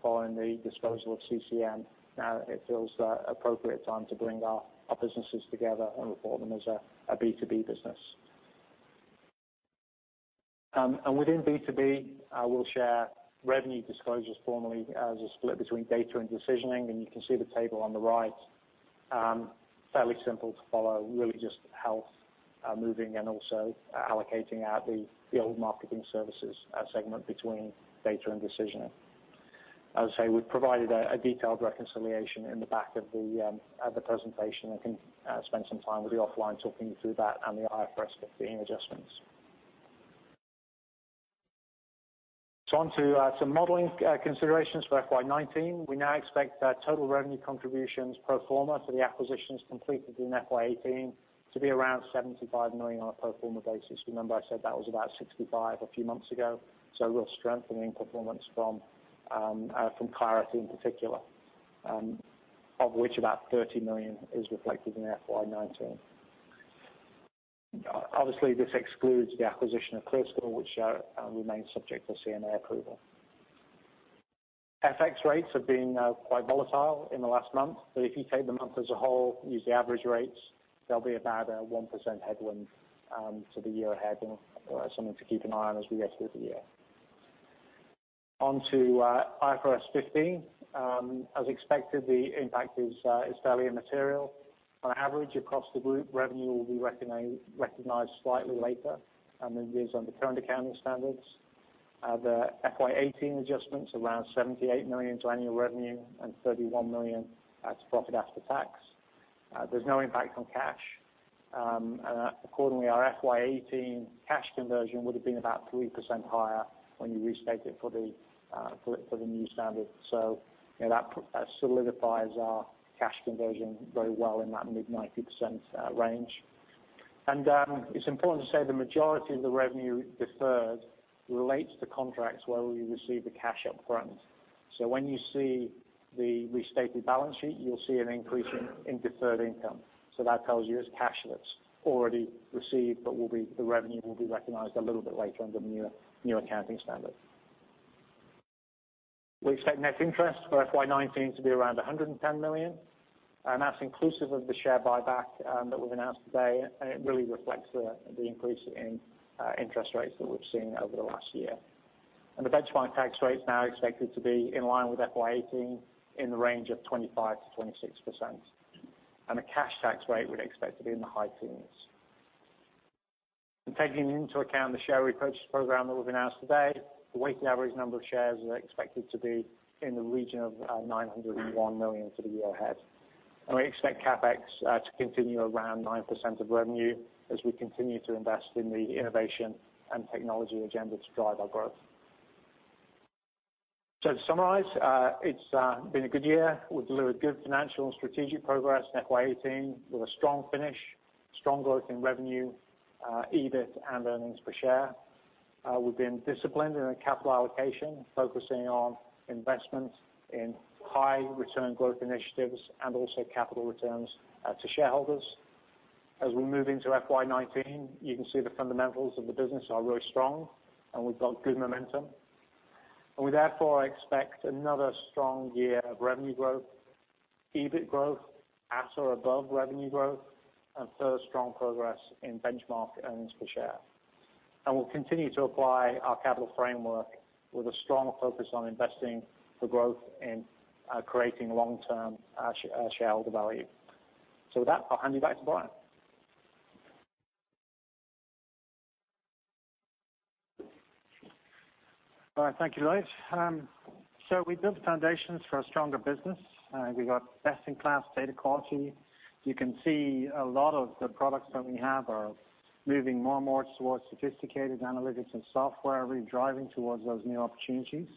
Following the disposal of CCM, now it feels an appropriate time to bring our businesses together and report them as a B2B business. Within B2B, we will share revenue disclosures formally as a split between data and decisioning, and you can see the table on the right. Fairly simple to follow, really just Health moving and also allocating out the old Marketing Services segment between data and decisioning. As I say, we have provided a detailed reconciliation in the back of the presentation. I can spend some time with you offline talking through that and the IFRS 15 adjustments. On to some modeling considerations for FY 2019. We now expect total revenue contributions pro forma for the acquisitions completed in FY 2018 to be around $75 million on a pro forma basis. Remember I said that was about $65 a few months ago, real strengthening performance from Clarity in particular. Of which about $30 million is reflected in FY 2019. Obviously, this excludes the acquisition of ClearScore, which remains subject to CMA approval. FX rates have been quite volatile in the last month, but if you take the month as a whole, use the average rates, there will be about a 1% headwind to the year ahead and something to keep an eye on as we get through the year. On to IFRS 15. As expected, the impact is fairly immaterial. On average, across the group, revenue will be recognized slightly later than it is under current accounting standards. The FY 2018 adjustments, around $78 million to annual revenue and $31 million to profit after tax. There is no impact on cash. Accordingly, our FY 2018 cash conversion would have been about 3% higher when you restate it for the new standard. That solidifies our cash conversion very well in that mid 90% range. It is important to say the majority of the revenue deferred relates to contracts where we receive the cash up front. When you see the restated balance sheet, you will see an increase in deferred income. That tells you it is cash that is already received, but the revenue will be recognized a little bit later under the new accounting standard. We expect net interest for FY 2019 to be around $110 million, that is inclusive of the share buyback that we have announced today, and it really reflects the increase in interest rates that we have seen over the last year. The benchmark tax rate is now expected to be in line with FY 2018, in the range of 25%-26%. The cash tax rate, we would expect to be in the high teens. Taking into account the share repurchase program that we have announced today, the weighted average number of shares are expected to be in the region of 901 million for the year ahead. We expect CapEx to continue around 9% of revenue as we continue to invest in the innovation and technology agenda to drive our growth. To summarize, it has been a good year. We have delivered good financial and strategic progress in FY 2018 with a strong finish, strong growth in revenue, EBIT, and earnings per share. We have been disciplined in our capital allocation, focusing on investment in high return growth initiatives, and also capital returns to shareholders. As we move into FY 2019, you can see the fundamentals of the business are really strong, and we have got good momentum. We therefore expect another strong year of revenue growth, EBIT growth at or above revenue growth, and further strong progress in benchmark earnings per share. We'll continue to apply our capital framework with a strong focus on investing for growth and creating long-term shareholder value. With that, I'll hand you back to Brian. All right. Thank you, Lloyd. We built the foundations for a stronger business. We've got best-in-class data quality. You can see a lot of the products that we have are moving more and more towards sophisticated analytics and software, really driving towards those new opportunities.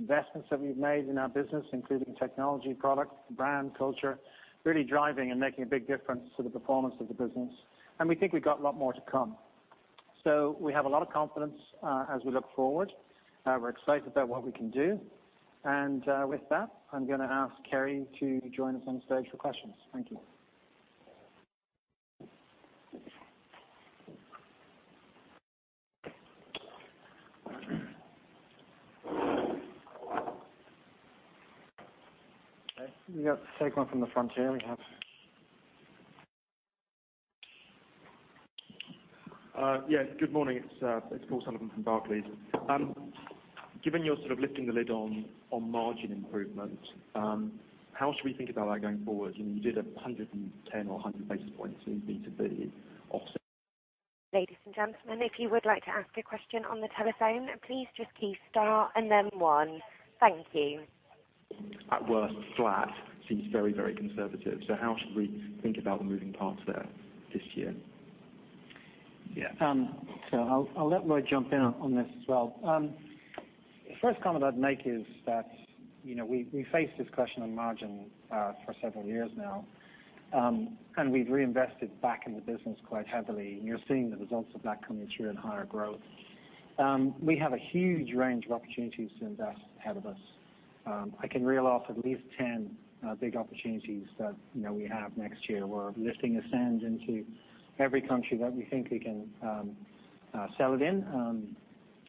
Investments that we've made in our business, including technology products, brand, culture, really driving and making a big difference to the performance of the business, and we think we've got a lot more to come. We have a lot of confidence as we look forward. We're excited about what we can do. With that, I'm going to ask Kerry to join us on stage for questions. Thank you. Okay. We'll take one from the front here. We have Yeah. Good morning. It's Paul Sullivan from Barclays. Given you're sort of lifting the lid on margin improvement, how should we think about that going forward? You did 110 or 100 basis points in B2B. Ladies and gentlemen, if you would like to ask a question on the telephone, please just key star and then one. Thank you. At worst, flat seems very, very conservative, how should we think about the moving parts there this year? Yeah. I'll let Lloyd jump in on this as well. The first comment I'd make is that we faced this question on margin for several years now, and we've reinvested back in the business quite heavily, and you're seeing the results of that coming through in higher growth. We have a huge range of opportunities to invest ahead of us. I can reel off at least 10 big opportunities that we have next year. We're lifting Ascend into every country that we think we can sell it in.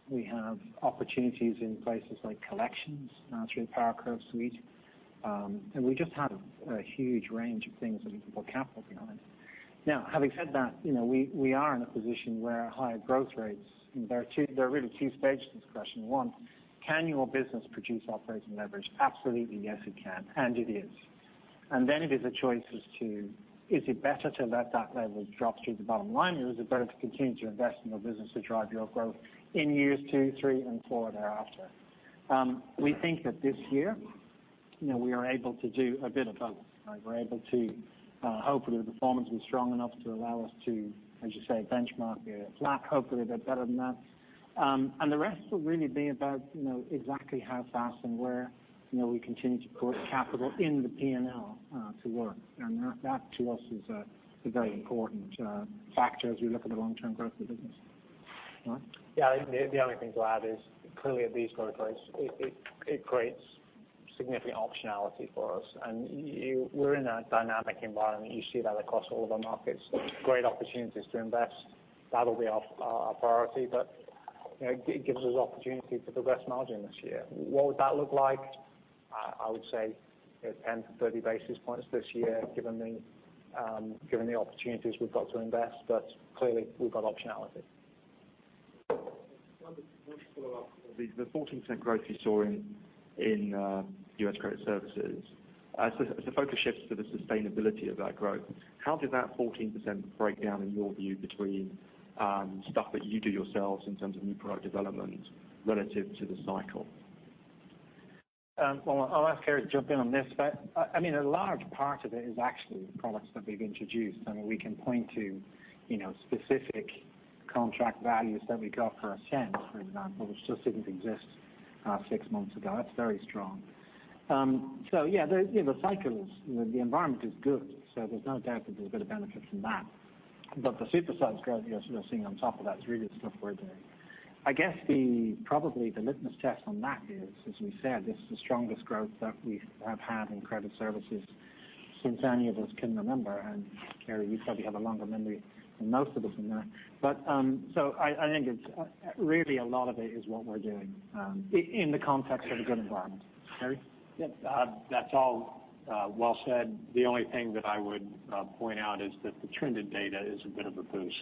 We have opportunities in places like collections through the PowerCurve suite. We just have a huge range of things that we can put capital behind. Now, having said that, we are in a position where higher growth rates, there are really two stages to this question. One, can your business produce operating leverage? Absolutely, yes, it can, and it is. It is a choice as to, is it better to let that leverage drop through to the bottom line, or is it better to continue to invest in your business to drive your growth in years two, three, and four thereafter? We think that this year, we are able to do a bit of both. We're able to, hopefully, the performance will be strong enough to allow us to, as you say, benchmark flat, hopefully a bit better than that. The rest will really be about exactly how fast and where we continue to put capital in the P&L to work. That, to us, is a very important factor as we look at the long-term growth of the business. Lloyd? Yeah. The only thing to add is, clearly at these growth rates, it creates significant optionality for us. We're in a dynamic environment. You see that across all of our markets. Great opportunities to invest. That'll be our priority. It gives us opportunity to progress margin this year. What would that look like? I would say 10 to 30 basis points this year, given the opportunities we've got to invest. Clearly, we've got optionality. One quick follow-up. The 14% growth you saw in U.S. Credit Services. As the focus shifts to the sustainability of that growth, how does that 14% break down in your view between stuff that you do yourselves in terms of new product development relative to the cycle? Well, I'll ask Gary to jump in on this, but a large part of it is actually the products that we've introduced, and we can point to specific contract values that we got for Ascend, for example, which just didn't exist six months ago. That's very strong. Yeah, the environment is good, so there's no doubt that there's a bit of benefit from that. The super science growth you're seeing on top of that is really the stuff we're doing. I guess, probably the litmus test on that is, as we said, this is the strongest growth that we have had in credit services since any of us can remember. Gary, you probably have a longer memory than most of us in there. I think really a lot of it is what we're doing in the context of a good environment. Gary? Yeah. That's all well said. The only thing that I would point out is that the trended data is a bit of a boost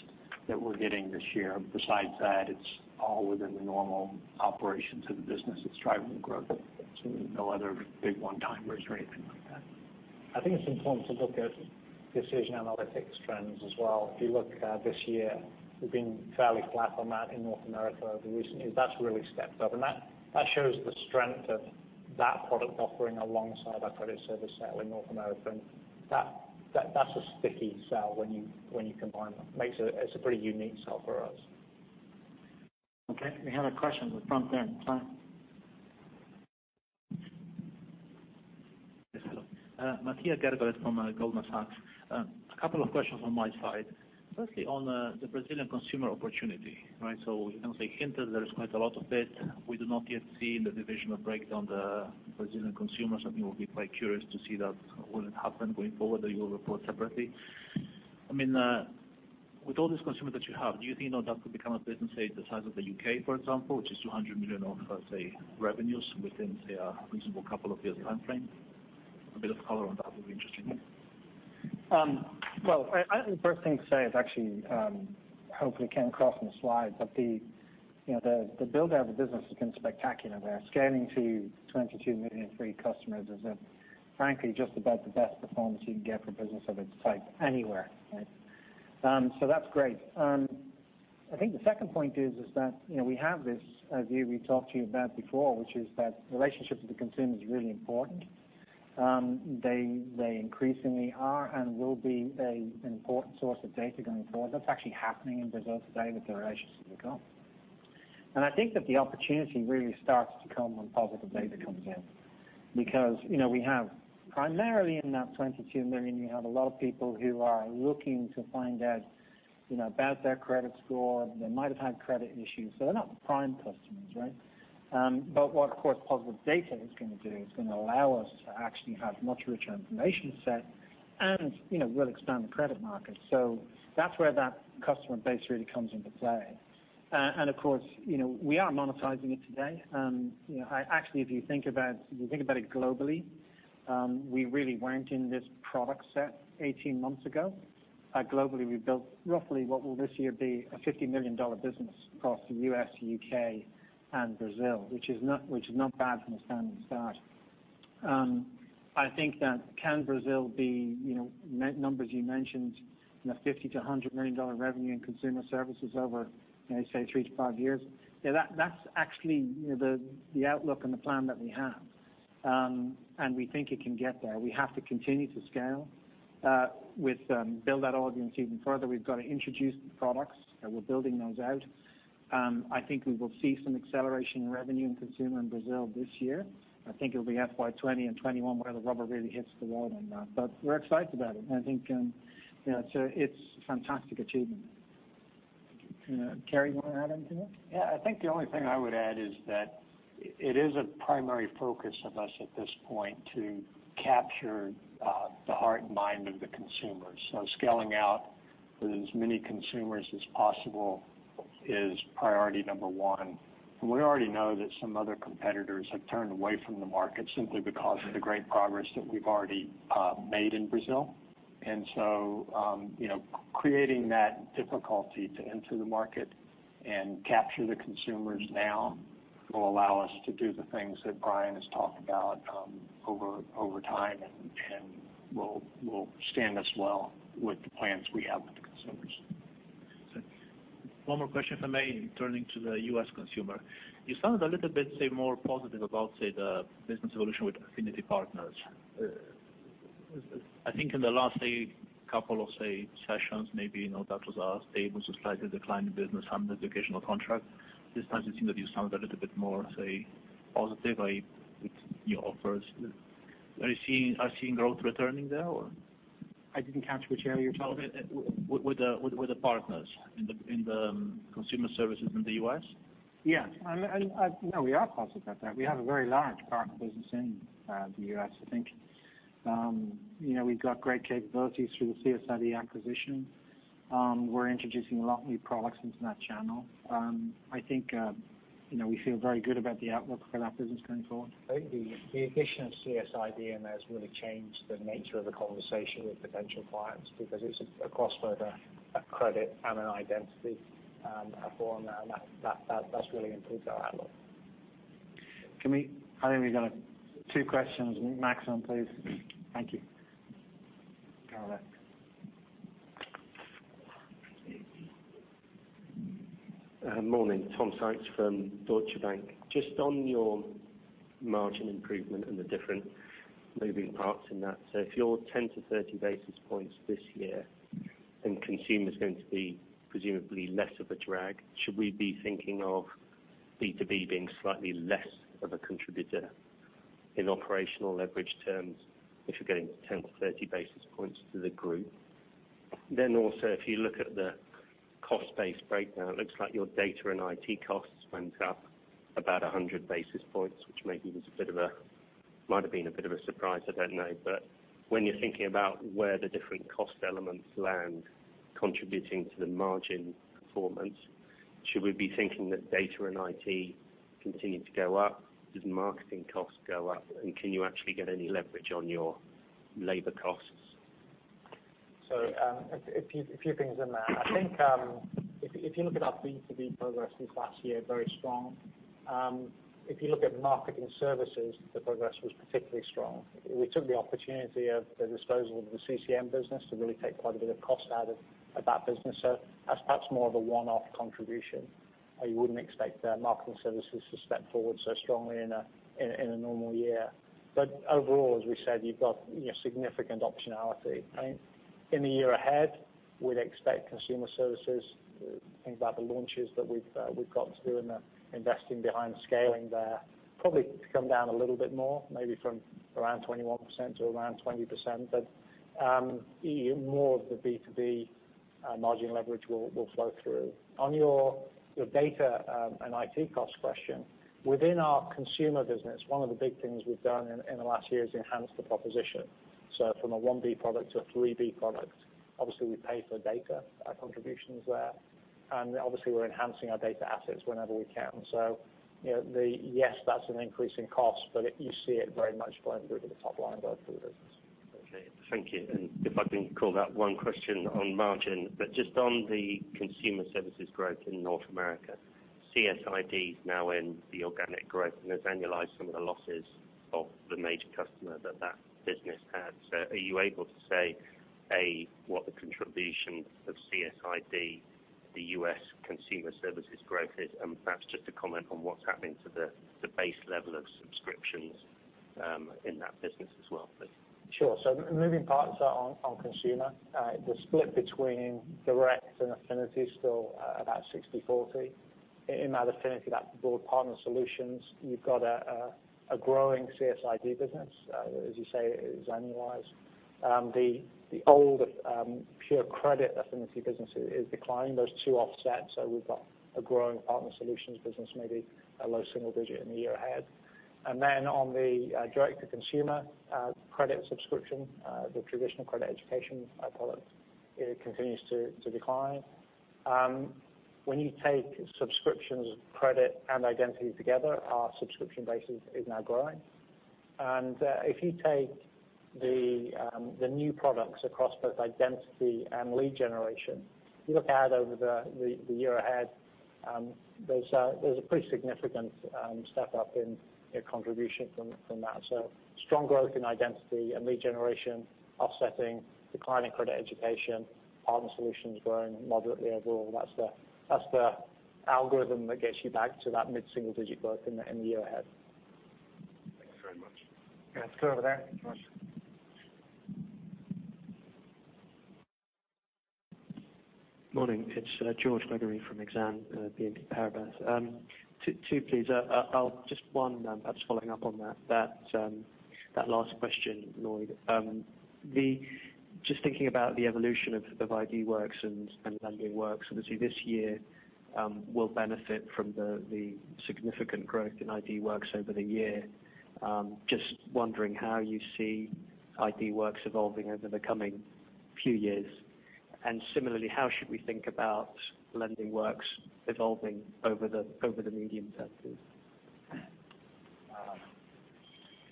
that we're getting this year. Besides that, it's all within the normal operations of the business. It's driving growth. No other big one-timers or anything like that. I think it's important to look at Decision Analytics trends as well. If you look this year, we've been fairly flat on that in North America over the recent years. That's really stepped up, and that shows the strength of that product offering alongside our credit service sale in North America. That's a sticky sell when you combine them. It's a pretty unique sell for us. Okay. We have a question at the front there. Go on. Yes. Hello. Mattia Garbari from Goldman Sachs. A couple of questions on my side. Firstly, on the Brazilian consumer opportunity, right? We can say hinted there is quite a lot of it. We do not yet see the divisional breakdown, the Brazilian consumers. I think we'll be quite curious to see that will it happen going forward, or you will report separately? With all this consumer that you have, do you think that could become a business, say, the size of the U.K., for example, which is $200 million of, let's say, revenues within, say, a reasonable couple of years timeframe? A bit of color on that would be interesting. Well, I think the first thing to say is actually, hopefully it came across on the slides, but the build-out of the business has been spectacular there. Scaling to 22 million free customers is frankly just about the best performance you can get for a business of its type anywhere. That's great. I think the second point is that we have this view we've talked to you about before, which is that relationships with the consumer is really important. They increasingly are and will be an important source of data going forward. That's actually happening in Brazil today with the relationships we've got. I think that the opportunity really starts to come when Positive Data comes in because primarily in that 22 million, you have a lot of people who are looking to find out about their credit score. They might have had credit issues. They're not prime customers, right? What, of course, Positive Data is going to do, it's going to allow us to actually have much richer information set, and we'll expand the credit market. That's where that customer base really comes into play. Of course, we are monetizing it today. Actually, if you think about it globally, we really weren't in this product set 18 months ago. Globally, we've built roughly what will this year be a $50 million business across the U.S., U.K., and Brazil, which is not bad from a standing start. I think that can Brazil be numbers you mentioned, $50 million-$100 million revenue in consumer services over, say, three to five years? Yeah, that's actually the outlook and the plan that we have. We think it can get there. We have to continue to scale, build that audience even further. We've got to introduce new products, we're building those out. I think we will see some acceleration in revenue in consumer in Brazil this year. I think it will be FY 2020 and 2021 where the rubber really hits the road on that. We're excited about it, and I think it's a fantastic achievement. Gary, you want to add anything there? Yeah. I think the only thing I would add is that it is a primary focus of us at this point to capture the heart and mind of the consumer. Scaling out with as many consumers as possible is priority number one. We already know that some other competitors have turned away from the market simply because of the great progress that we've already made in Brazil. Creating that difficulty to enter the market and capture the consumers now will allow us to do the things that Brian has talked about over time and will stand us well with the plans we have with the consumers. One more question, if I may. Turning to the U.S. consumer. You sounded a little bit, say, more positive about, say, the business evolution with Affinity Partners. I think in the last, say, couple of, say, sessions, maybe that was a stable to slightly decline the business on the educational contract. This time, it seemed that you sounded a little bit more, say, positive with new offers. Are you seeing growth returning there, or? I didn't catch which area you're talking about. With the partners in the consumer services in the U.S. No, we are positive about that. We have a very large partner business in the U.S., I think. We've got great capabilities through the CSID acquisition. We're introducing a lot of new products into that channel. I think we feel very good about the outlook for that business going forward. I think the acquisition of CSID has really changed The nature of the conversation with potential clients, because it's a cross-border, a credit, and an identity form. That's really improved our outlook. I think we've got two questions maximum, please. Thank you. Go over there. Morning. Tom Sykes from Deutsche Bank. Just on your margin improvement and the different moving parts in that. If you're 10-30 basis points this year and consumer's going to be presumably less of a drag, should we be thinking of B2B being slightly less of a contributor in operational leverage terms if you're getting 10-30 basis points to the group? Also if you look at the cost base breakdown, it looks like your data and IT costs went up about 100 basis points, which might have been a bit of a surprise, I don't know. When you're thinking about where the different cost elements land contributing to the margin performance, should we be thinking that data and IT continue to go up? Did marketing costs go up? Can you actually get any leverage on your labor costs? A few things in there. I think if you look at our B2B progress this last year, very strong. If you look at marketing services, the progress was particularly strong. We took the opportunity of the disposal of the CCM business to really take quite a bit of cost out of that business. That's perhaps more of a one-off contribution. You wouldn't expect marketing services to step forward so strongly in a normal year. Overall, as we said, you've got significant optionality. I think in the year ahead, we'd expect consumer services, think about the launches that we've got to do and the investing behind scaling there, probably to come down a little bit more, maybe from around 21%-20%. More of the B2B margin leverage will flow through. On your data and IT cost question, within our consumer business, one of the big things we've done in the last year is enhance the proposition. From a 1B product to a 3B product. Obviously, we pay for data contributions there, and obviously, we're enhancing our data assets whenever we can. Yes, that's an increase in cost, but you see it very much flowing through to the top line of our full business. Okay. Thank you. If I can call that one question on margin, just on the consumer services growth in North America. CSID is now in the organic growth and has annualized some of the losses of the major customer that business had. Are you able to say, A, what the contribution of CSID, the U.S. consumer services growth is, and perhaps just to comment on what's happening to the base level of subscriptions in that business as well, please? Sure. Moving parts are on consumer. The split between direct and affinity is still about 60-40. In that affinity, that's broad partner solutions. You've got a growing CSID business. As you say, it is annualized. The old pure credit affinity business is declining. Those two offset, we've got a growing partner solutions business, maybe a low single digit in the year ahead. On the direct to consumer credit subscription, the traditional credit education product, it continues to decline. When you take subscriptions, credit, and identity together, our subscription basis is now growing. If you take the new products across both identity and lead generation, if you look out over the year ahead, there's a pretty significant step up in contribution from that. Strong growth in identity and lead generation offsetting declining credit education, partner solutions growing moderately overall. That's the algorithm that gets you back to that mid-single digit growth in the year ahead. Thanks very much. Yeah. Let's go over there. Morning. It's George Gregory from Exane BNP Paribas. Two please. Just one perhaps following up on that last question, Lloyd. Just thinking about the evolution of IDWorks and Lending Works, obviously this year will benefit from the significant growth in IDWorks over the year. Just wondering how you see IDWorks evolving over the coming few years. Similarly, how should we think about Lending Works evolving over the medium term, please?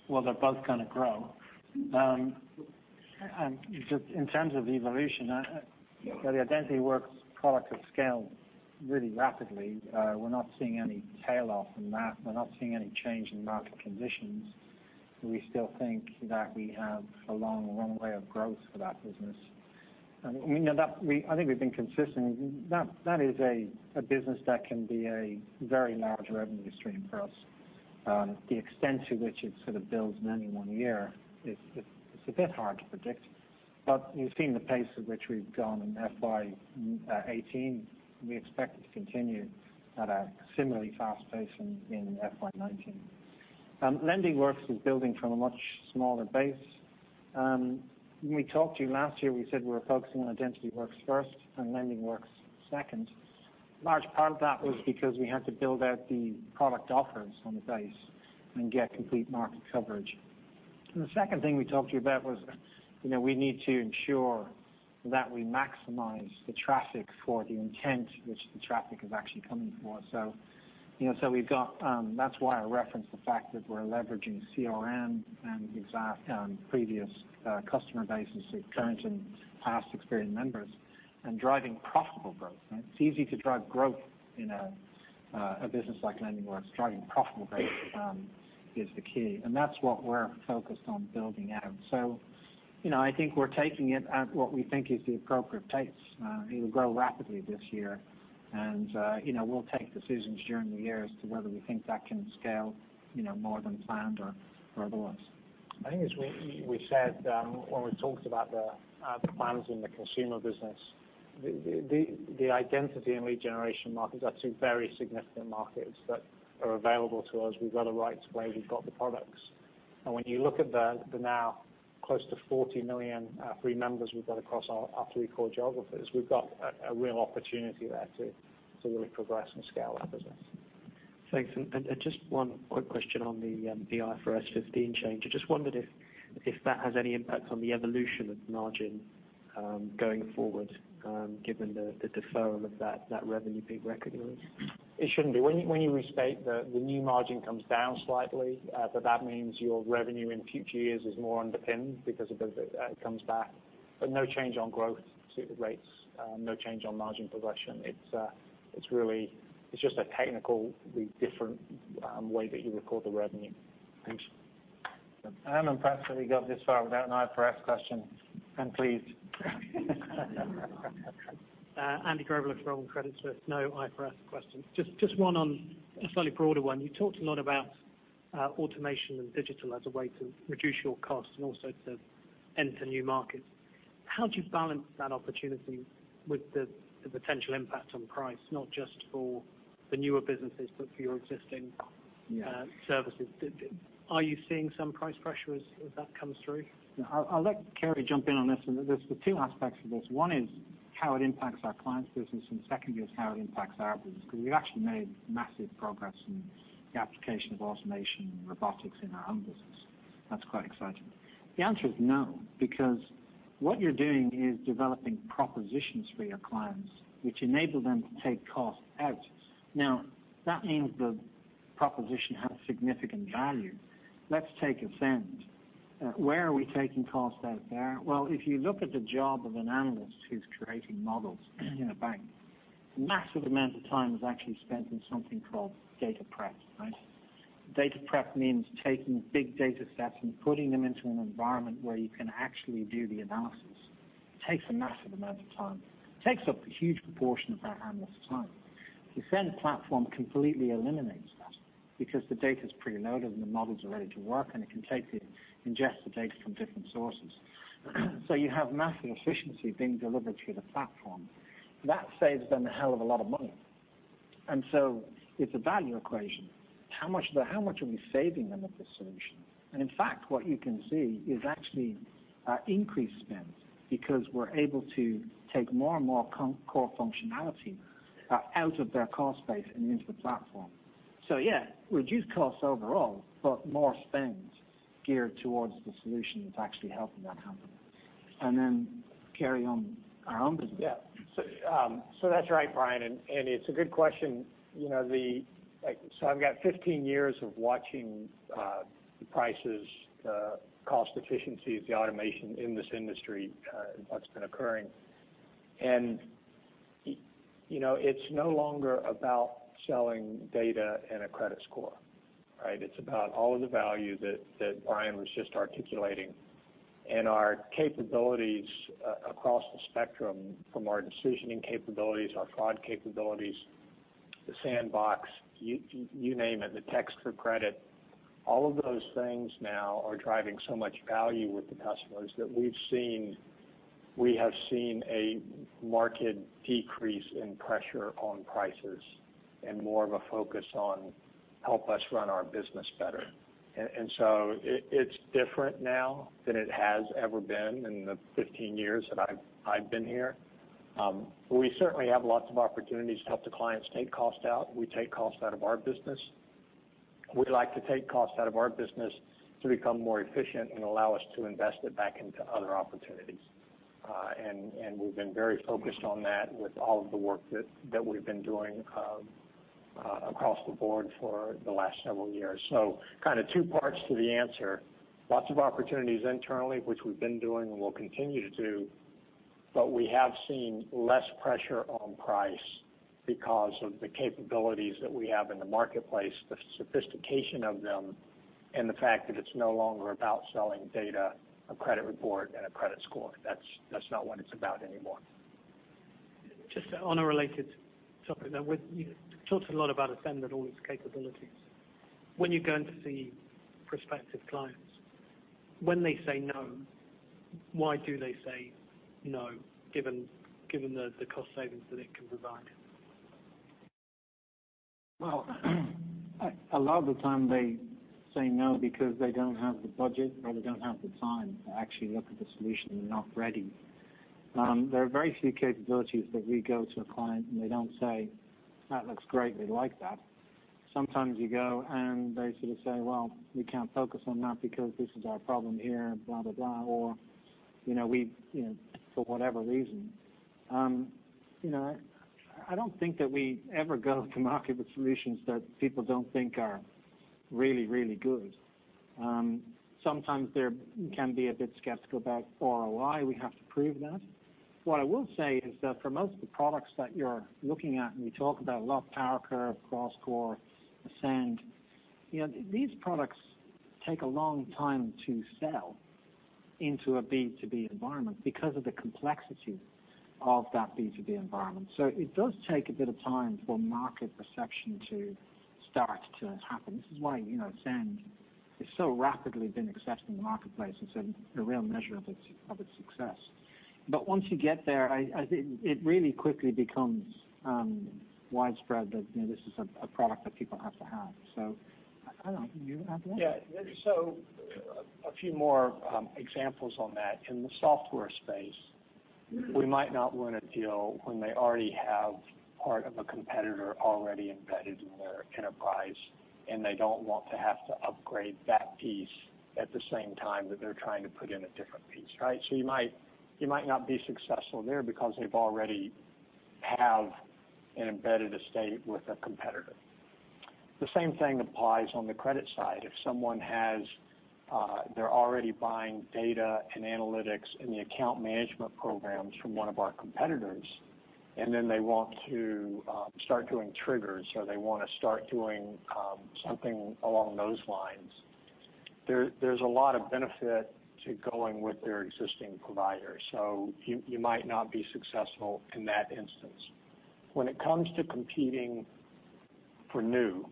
Well, they're both going to grow. Just in terms of evolution, the IdentityWorks product has scaled really rapidly. We're not seeing any tail off in that. We're not seeing any change in market conditions. We still think that we have a long runway of growth for that business. I think we've been consistent. That is a business that can be a very large revenue stream for us. The extent to which it sort of builds in any one year is a bit hard to predict. You've seen the pace at which we've gone in FY 2018. We expect it to continue at a similarly fast pace in FY 2019. Lending Works is building from a much smaller base. When we talked to you last year, we said we were focusing on IdentityWorks first and Lending Works second. Large part of that was because we had to build out the product offers on the base and get complete market coverage. The second thing we talked to you about was we need to ensure We maximize the traffic for the intent which the traffic is actually coming for. That's why I reference the fact that we're leveraging CRM and the previous customer bases, the current and past Experian members and driving profitable growth. It's easy to drive growth in a business like Lending Works. Driving profitable growth is the key, and that's what we're focused on building out. I think we're taking it at what we think is the appropriate pace. It'll grow rapidly this year, and we'll take decisions during the year as to whether we think that can scale more than planned or otherwise. I think as we said when we talked about the plans in the consumer business, the identity and lead generation markets are two very significant markets that are available to us. We've got a right way, we've got the products. When you look at the now close to 40 million free members we've got across our three core geographies, we've got a real opportunity there to really progress and scale that business. Thanks. Just one quick question on the IFRS 15 change. I just wondered if that has any impact on the evolution of margin going forward, given the deferral of that revenue being recognized. It shouldn't be. When you restate, the new margin comes down slightly, that means your revenue in future years is more underpinned because it comes back. No change on growth to the rates. No change on margin progression. It's just a technically different way that you record the revenue. Thanks. I haven't personally got this far without an IFRS question. Please. Andrew Greville from Credit Suisse. No IFRS question. Just one, a slightly broader one. You talked a lot about automation and digital as a way to reduce your costs and also to enter new markets. How do you balance that opportunity with the potential impact on price, not just for the newer businesses but for your existing services? Are you seeing some price pressure as that comes through? I'll let Kerry jump in on this. There's two aspects of this. One is how it impacts our clients' business, and the second is how it impacts our business. We've actually made massive progress in the application of automation and robotics in our own business. That's quite exciting. The answer is no, because what you're doing is developing propositions for your clients, which enable them to take cost out. That means the proposition has significant value. Let's take Ascend. Where are we taking cost out there? If you look at the job of an analyst who's creating models in a bank, a massive amount of time is actually spent in something called data prep. Data prep means taking big data sets and putting them into an environment where you can actually do the analysis. Takes a massive amount of time, takes up a huge proportion of that analyst's time. The Ascend platform completely eliminates that because the data's preloaded and the models are ready to work, and it can take the ingested data from different sources. You have massive efficiency being delivered through the platform. That saves them a hell of a lot of money. It's a value equation. How much are we saving them with this solution? In fact, what you can see is actually increased spend because we're able to take more and more core functionality out of their cost base and into the platform. Yeah, reduced costs overall, but more spend geared towards the solution that's actually helping that happen. Then Kerry on our own business. Yeah. That's right, Brian, and it's a good question. I've got 15 years of watching the prices, cost efficiencies, the automation in this industry, and what's been occurring. It's no longer about selling data and a credit score. It's about all of the value that Brian was just articulating and our capabilities across the spectrum, from our decisioning capabilities, our fraud capabilities, the sandbox, you name it, the Text for Credit. All of those things now are driving so much value with the customers that we have seen a marked decrease in pressure on prices and more of a focus on help us run our business better. It's different now than it has ever been in the 15 years that I've been here. We certainly have lots of opportunities to help the clients take cost out. We take cost out of our business. We like to take cost out of our business to become more efficient and allow us to invest it back into other opportunities. We've been very focused on that with all of the work that we've been doing across the board for the last several years. Two parts to the answer. Lots of opportunities internally, which we've been doing and will continue to do, but we have seen less pressure on price because of the capabilities that we have in the marketplace, the sophistication of them, and the fact that it's no longer about selling data, a credit report and a credit score. That's not what it's about anymore. Just on a related topic, you talked a lot about Ascend and all its capabilities. When you're going to see prospective clients, when they say no, why do they say no, given the cost savings that it can provide? Well, a lot of the time they say no because they don't have the budget or they don't have the time to actually look at the solution. They're not ready. There are very few capabilities that we go to a client, and they don't say, "That looks great, we like that." Sometimes you go and they sort of say, "Well, we can't focus on that because this is our problem here," blah, blah, or for whatever reason. I don't think that we ever go to market with solutions that people don't think are really, really good. Sometimes they can be a bit skeptical about ROI. We have to prove that. What I will say is that for most of the products that you're looking at, and we talk about a lot, PowerCurve, CrossCore, Ascend, these products take a long time to sell into a B2B environment because of the complexity of that B2B environment. It does take a bit of time for market perception to start to happen. This is why Ascend has so rapidly been accepted in the marketplace. It's a real measure of its success. Once you get there, it really quickly becomes widespread that this is a product that people have to have. I don't know. You have more. Yeah. A few more examples on that. In the software space, we might not win a deal when they already have part of a competitor already embedded in their enterprise, and they don't want to have to upgrade that piece at the same time that they're trying to put in a different piece, right? You might not be successful there because they already have an embedded estate with a competitor. The same thing applies on the credit side. If someone they're already buying data and analytics and the account management programs from one of our competitors, then they want to start doing triggers, or they want to start doing something along those lines, there's a lot of benefit to going with their existing provider. You might not be successful in that instance. When it comes to competing for new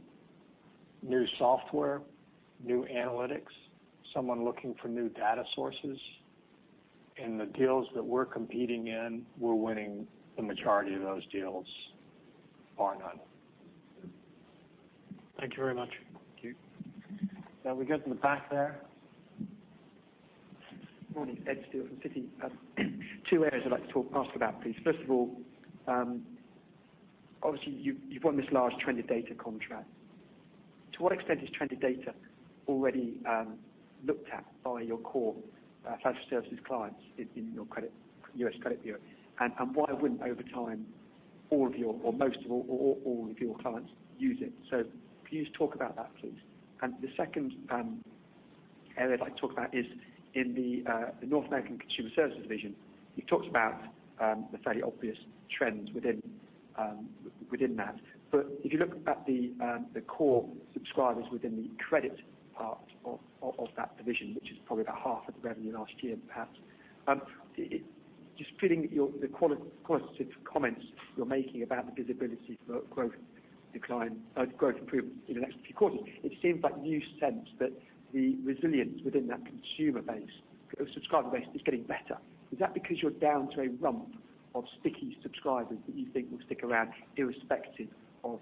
software, new analytics, someone looking for new data sources, in the deals that we're competing in, we're winning the majority of those deals bar none. Thank you very much. Thank you. We go to the back there. Morning. Ed Steele from Citi. Two areas I'd like to ask about, please. First of all, obviously, you've won this large trended data contract. To what extent is trended data already looked at by your core financial services clients in your U.S. credit bureau? Why wouldn't, over time, all of your clients use it? Please talk about that, please. The second area I'd like to talk about is in the North American Consumer Services division. You talked about the fairly obvious trends within that. If you look at the core subscribers within the credit part of that division, which is probably about half of the revenue last year, perhaps, just feeling the qualitative comments you're making about the visibility for growth improvement in the next few quarters, it seems like you sense that the resilience within that consumer base or subscriber base is getting better. Is that because you're down to a rump of sticky subscribers that you think will stick around irrespective of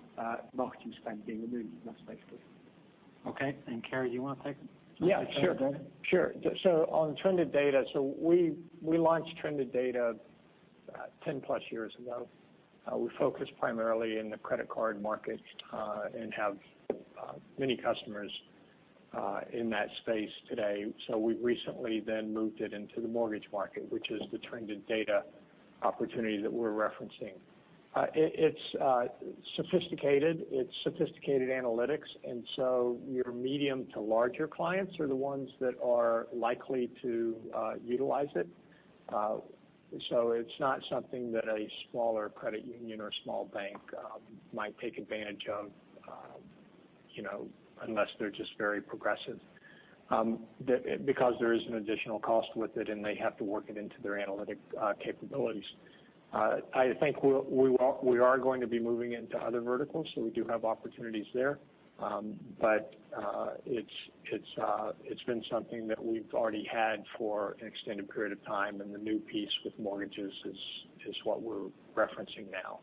marketing spend being removed in that space, Lloyd? Okay. Kerry, do you want to take it? Yeah, sure. On trended data, we launched trended data 10 plus years ago. We focus primarily in the credit card market and have many customers in that space today. We've recently then moved it into the mortgage market, which is the trended data opportunity that we're referencing. It's sophisticated analytics, and so your medium to larger clients are the ones that are likely to utilize it. It's not something that a smaller credit union or a small bank might take advantage of unless they're just very progressive because there is an additional cost with it and they have to work it into their analytic capabilities. I think we are going to be moving into other verticals, so we do have opportunities there. It's been something that we've already had for an extended period of time, and the new piece with mortgages is what we're referencing now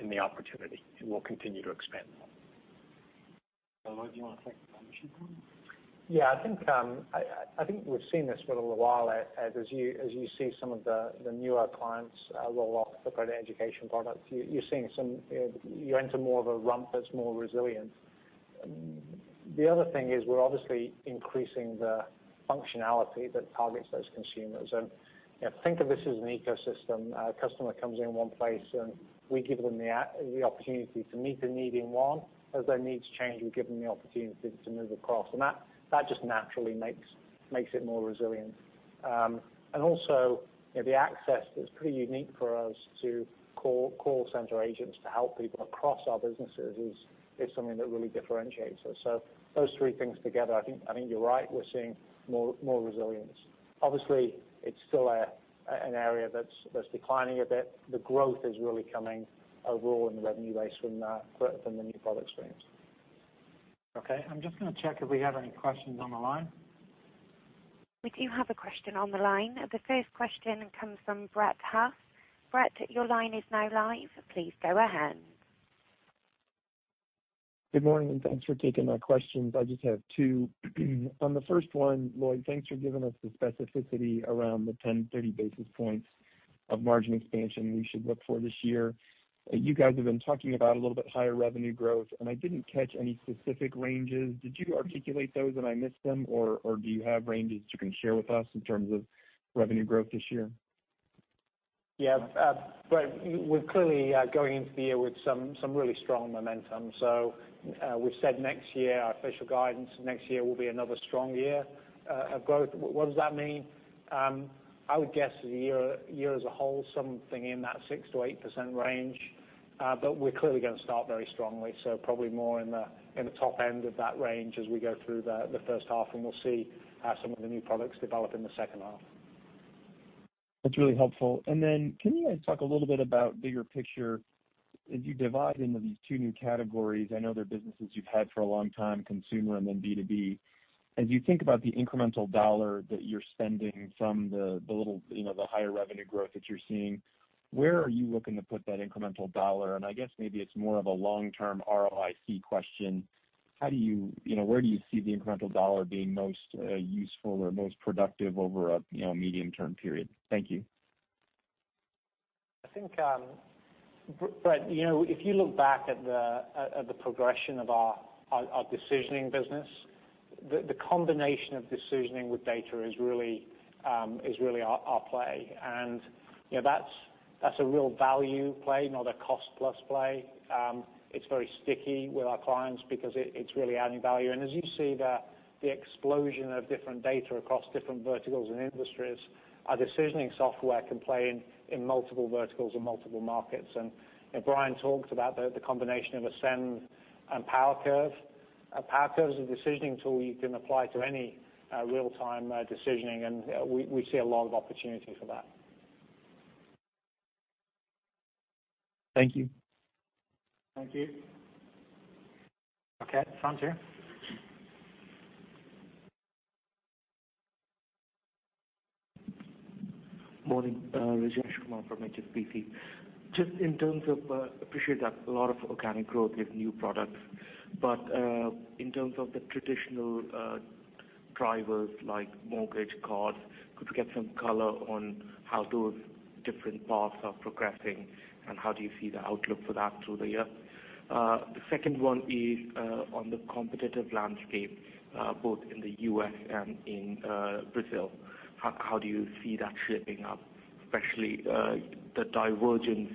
in the opportunity, and we'll continue to expand that. Lloyd, do you want to take the function one? Yeah, I think we've seen this for a little while, Ed, as you see some of the newer clients roll off the credit education product. You enter more of a rump that's more resilient. The other thing is we're obviously increasing the functionality that targets those consumers. Think of this as an ecosystem. A customer comes in one place, and we give them the opportunity to meet the need in one. As their needs change, we give them the opportunity to move across, and that just naturally makes it more resilient. Also, the access is pretty unique for us to call center agents to help people across our businesses is something that really differentiates us. Those three things together, I think you're right. We're seeing more resilience. Obviously, it's still an area that's declining a bit. The growth is really coming overall in the revenue base from the new product streams. Okay, I'm just going to check if we have any questions on the line. We do have a question on the line. The first question comes from Brett Huff. Brett, your line is now live. Please go ahead. Good morning. Thanks for taking my questions. I just have two. On the first one, Lloyd, thanks for giving us the specificity around the 10-30 basis points of margin expansion we should look for this year. You guys have been talking about a little bit higher revenue growth. I didn't catch any specific ranges. Did you articulate those and I missed them, or do you have ranges that you can share with us in terms of revenue growth this year? Brett, we're clearly going into the year with some really strong momentum. We've said next year, our official guidance next year will be another strong year of growth. What does that mean? I would guess the year as a whole, something in that 6%-8% range. We're clearly going to start very strongly, probably more in the top end of that range as we go through the first half, and we'll see how some of the new products develop in the second half. That's really helpful. Can you guys talk a little bit about bigger picture as you divide into these two new categories? I know they're businesses you've had for a long time, consumer and then B2B. As you think about the incremental dollar that you're spending from the higher revenue growth that you're seeing, where are you looking to put that incremental dollar? I guess maybe it's more of a long-term ROIC question. Where do you see the incremental dollar being most useful or most productive over a medium-term period? Thank you. I think, Brett, if you look back at the progression of our decisioning business, the combination of decisioning with data is really our play. That's a real value play, not a cost-plus play. It's very sticky with our clients because it's really adding value. As you see the explosion of different data across different verticals and industries, our decisioning software can play in multiple verticals and multiple markets. Brian talked about the combination of Ascend and PowerCurve. PowerCurve is a decisioning tool you can apply to any real-time decisioning, and we see a lot of opportunity for that. Thank you. Thank you. Okay. Rajesh. Morning. Rajesh Kumar from HSBC. Appreciate that a lot of organic growth with new products. In terms of the traditional drivers like mortgage, cards, could we get some color on how those different parts are progressing and how do you see the outlook for that through the year? The second one is on the competitive landscape both in the U.S. and in Brazil. How do you see that shaping up, especially the divergence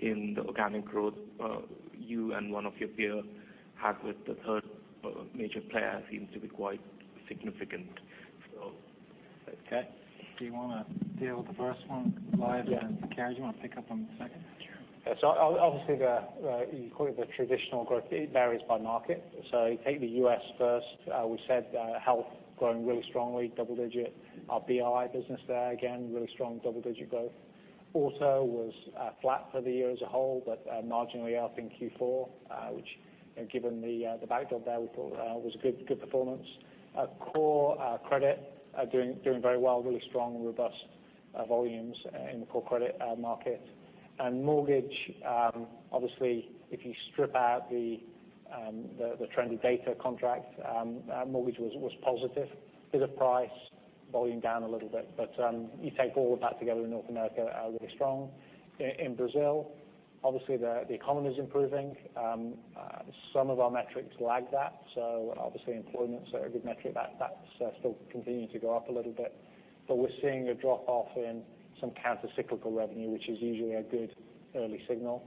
in the organic growth you and one of your peers had with the third major player seems to be quite significant. Okay. Do you want to deal with the first one live and, Kerry, do you want to pick up on the second, I'm sure? Obviously, you call it the traditional growth, it varies by market. Take the U.S. first. We said health growing really strongly, double-digit. Our BI business there, again, really strong double-digit growth. Auto was flat for the year as a whole, marginally up in Q4, which given the backdrop there, we thought was good performance. Core credit are doing very well, really strong and robust volumes in the core credit market. Mortgage, obviously if you strip out the trended data contract, mortgage was positive, bit of price, volume down a little bit. You take all of that together in North America, really strong. In Brazil, obviously the economy is improving. Some of our metrics lag that, obviously employments are a good metric that still continue to go up a little bit. We're seeing a drop-off in some countercyclical revenue, which is usually a good early signal.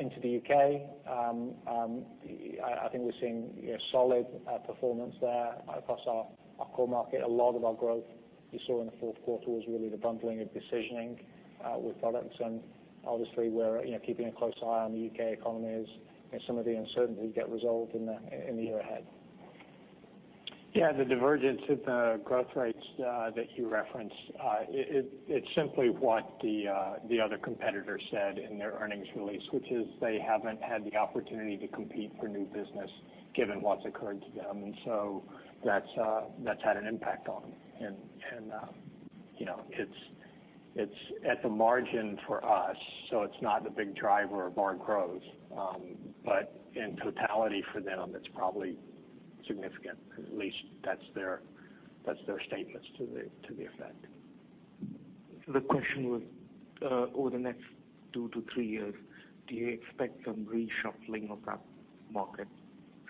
Into the U.K., I think we're seeing solid performance there across our core market. A lot of our growth you saw in the fourth quarter was really the bundling of decisioning with products. Obviously we're keeping a close eye on the U.K. economy as some of the uncertainties get resolved in the year ahead. The divergence of the growth rates that you referenced, it's simply what the other competitor said in their earnings release, which is they haven't had the opportunity to compete for new business given what's occurred to them. That's had an impact on them. It's at the margin for us, so it's not the big driver of our growth. In totality for them, it's probably significant, at least that's their statements to the effect. The question was over the next 2 to 3 years, do you expect some reshuffling of that market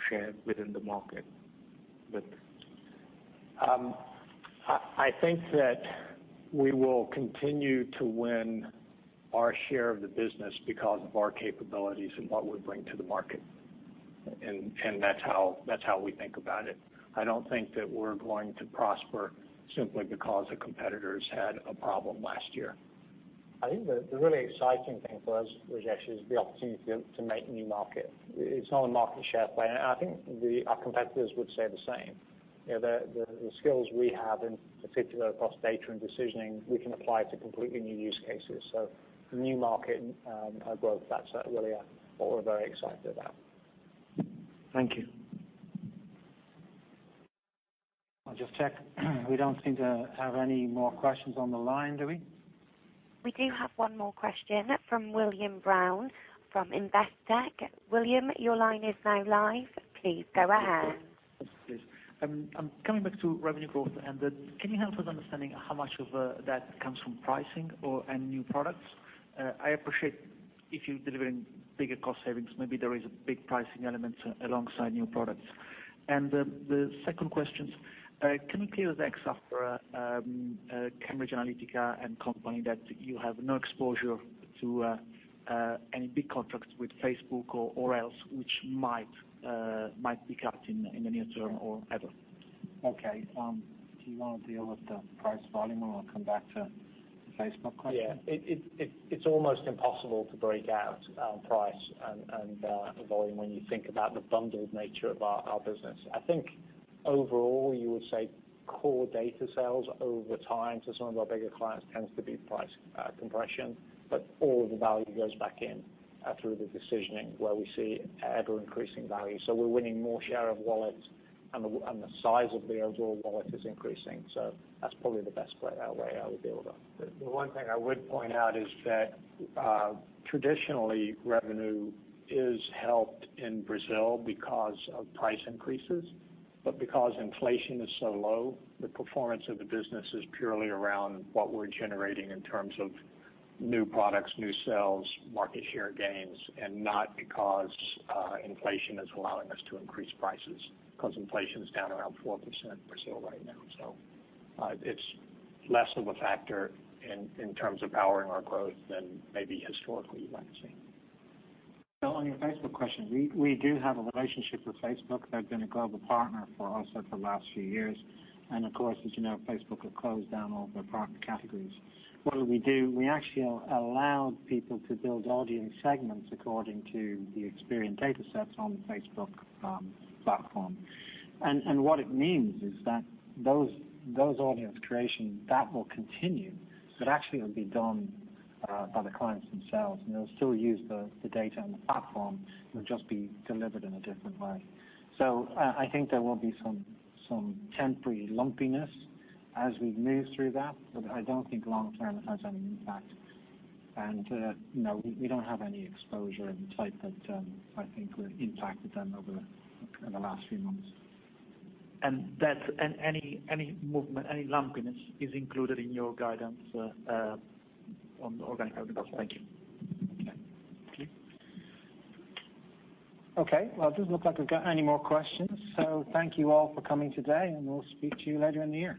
share within the market with I think that we will continue to win our share of the business because of our capabilities and what we bring to the market. That's how we think about it. I don't think that we're going to prosper simply because the competitors had a problem last year. I think the really exciting thing for us, Rajesh, is the opportunity to make new market. It's not a market share play. I think our competitors would say the same. The skills we have in particular across data and decisioning, we can apply to completely new use cases. New market growth, that's really what we're very excited about. Thank you. I'll just check. We don't seem to have any more questions on the line, do we? We do have one more question from William Brown from Investec. William, your line is now live. Please go ahead. Yes, please. I'm coming back to revenue growth. Can you help us understanding how much of that comes from pricing and new products? I appreciate if you're delivering bigger cost savings, maybe there is a big pricing element alongside new products. The second question, can you clear the decks after Cambridge Analytica and company that you have no exposure to any big contracts with Facebook or else which might be cut in the near term or ever? Okay. Do you want to deal with the price volume, and I'll come back to the Facebook question? Yeah. It's almost impossible to break out price and volume when you think about the bundled nature of our business. I think overall, you would say core data sales over time to some of our bigger clients tends to be price compression, but all the value goes back in through the decisioning where we see ever-increasing value. We're winning more share of wallets, and the size of the overall wallet is increasing. That's probably the best way I would deal with that. The one thing I would point out is that traditionally, revenue is helped in Brazil because of price increases. Because inflation is so low, the performance of the business is purely around what we're generating in terms of new products, new sales, market share gains, and not because inflation is allowing us to increase prices because inflation is down around 4% in Brazil right now. It's less of a factor in terms of powering our growth than maybe historically you might have seen. On your Facebook question, we do have a relationship with Facebook. They've been a global partner for us for the last few years. Of course, as you know, Facebook have closed down all their product categories. What do we do? We actually allowed people to build audience segments according to the Experian data sets on the Facebook platform. What it means is that those audience creation, that will continue, but actually, it'll be done by the clients themselves, and they'll still use the data and the platform. It'll just be delivered in a different way. I think there will be some temporary lumpiness as we move through that, but I don't think long term it has any impact. No, we don't have any exposure of the type that I think would impact with them over the last few months. Any movement, any lumpiness is included in your guidance on the organic revenue. Thank you. Okay. Okay. Well, it doesn't look like we've got any more questions, thank you all for coming today, and we'll speak to you later in the year.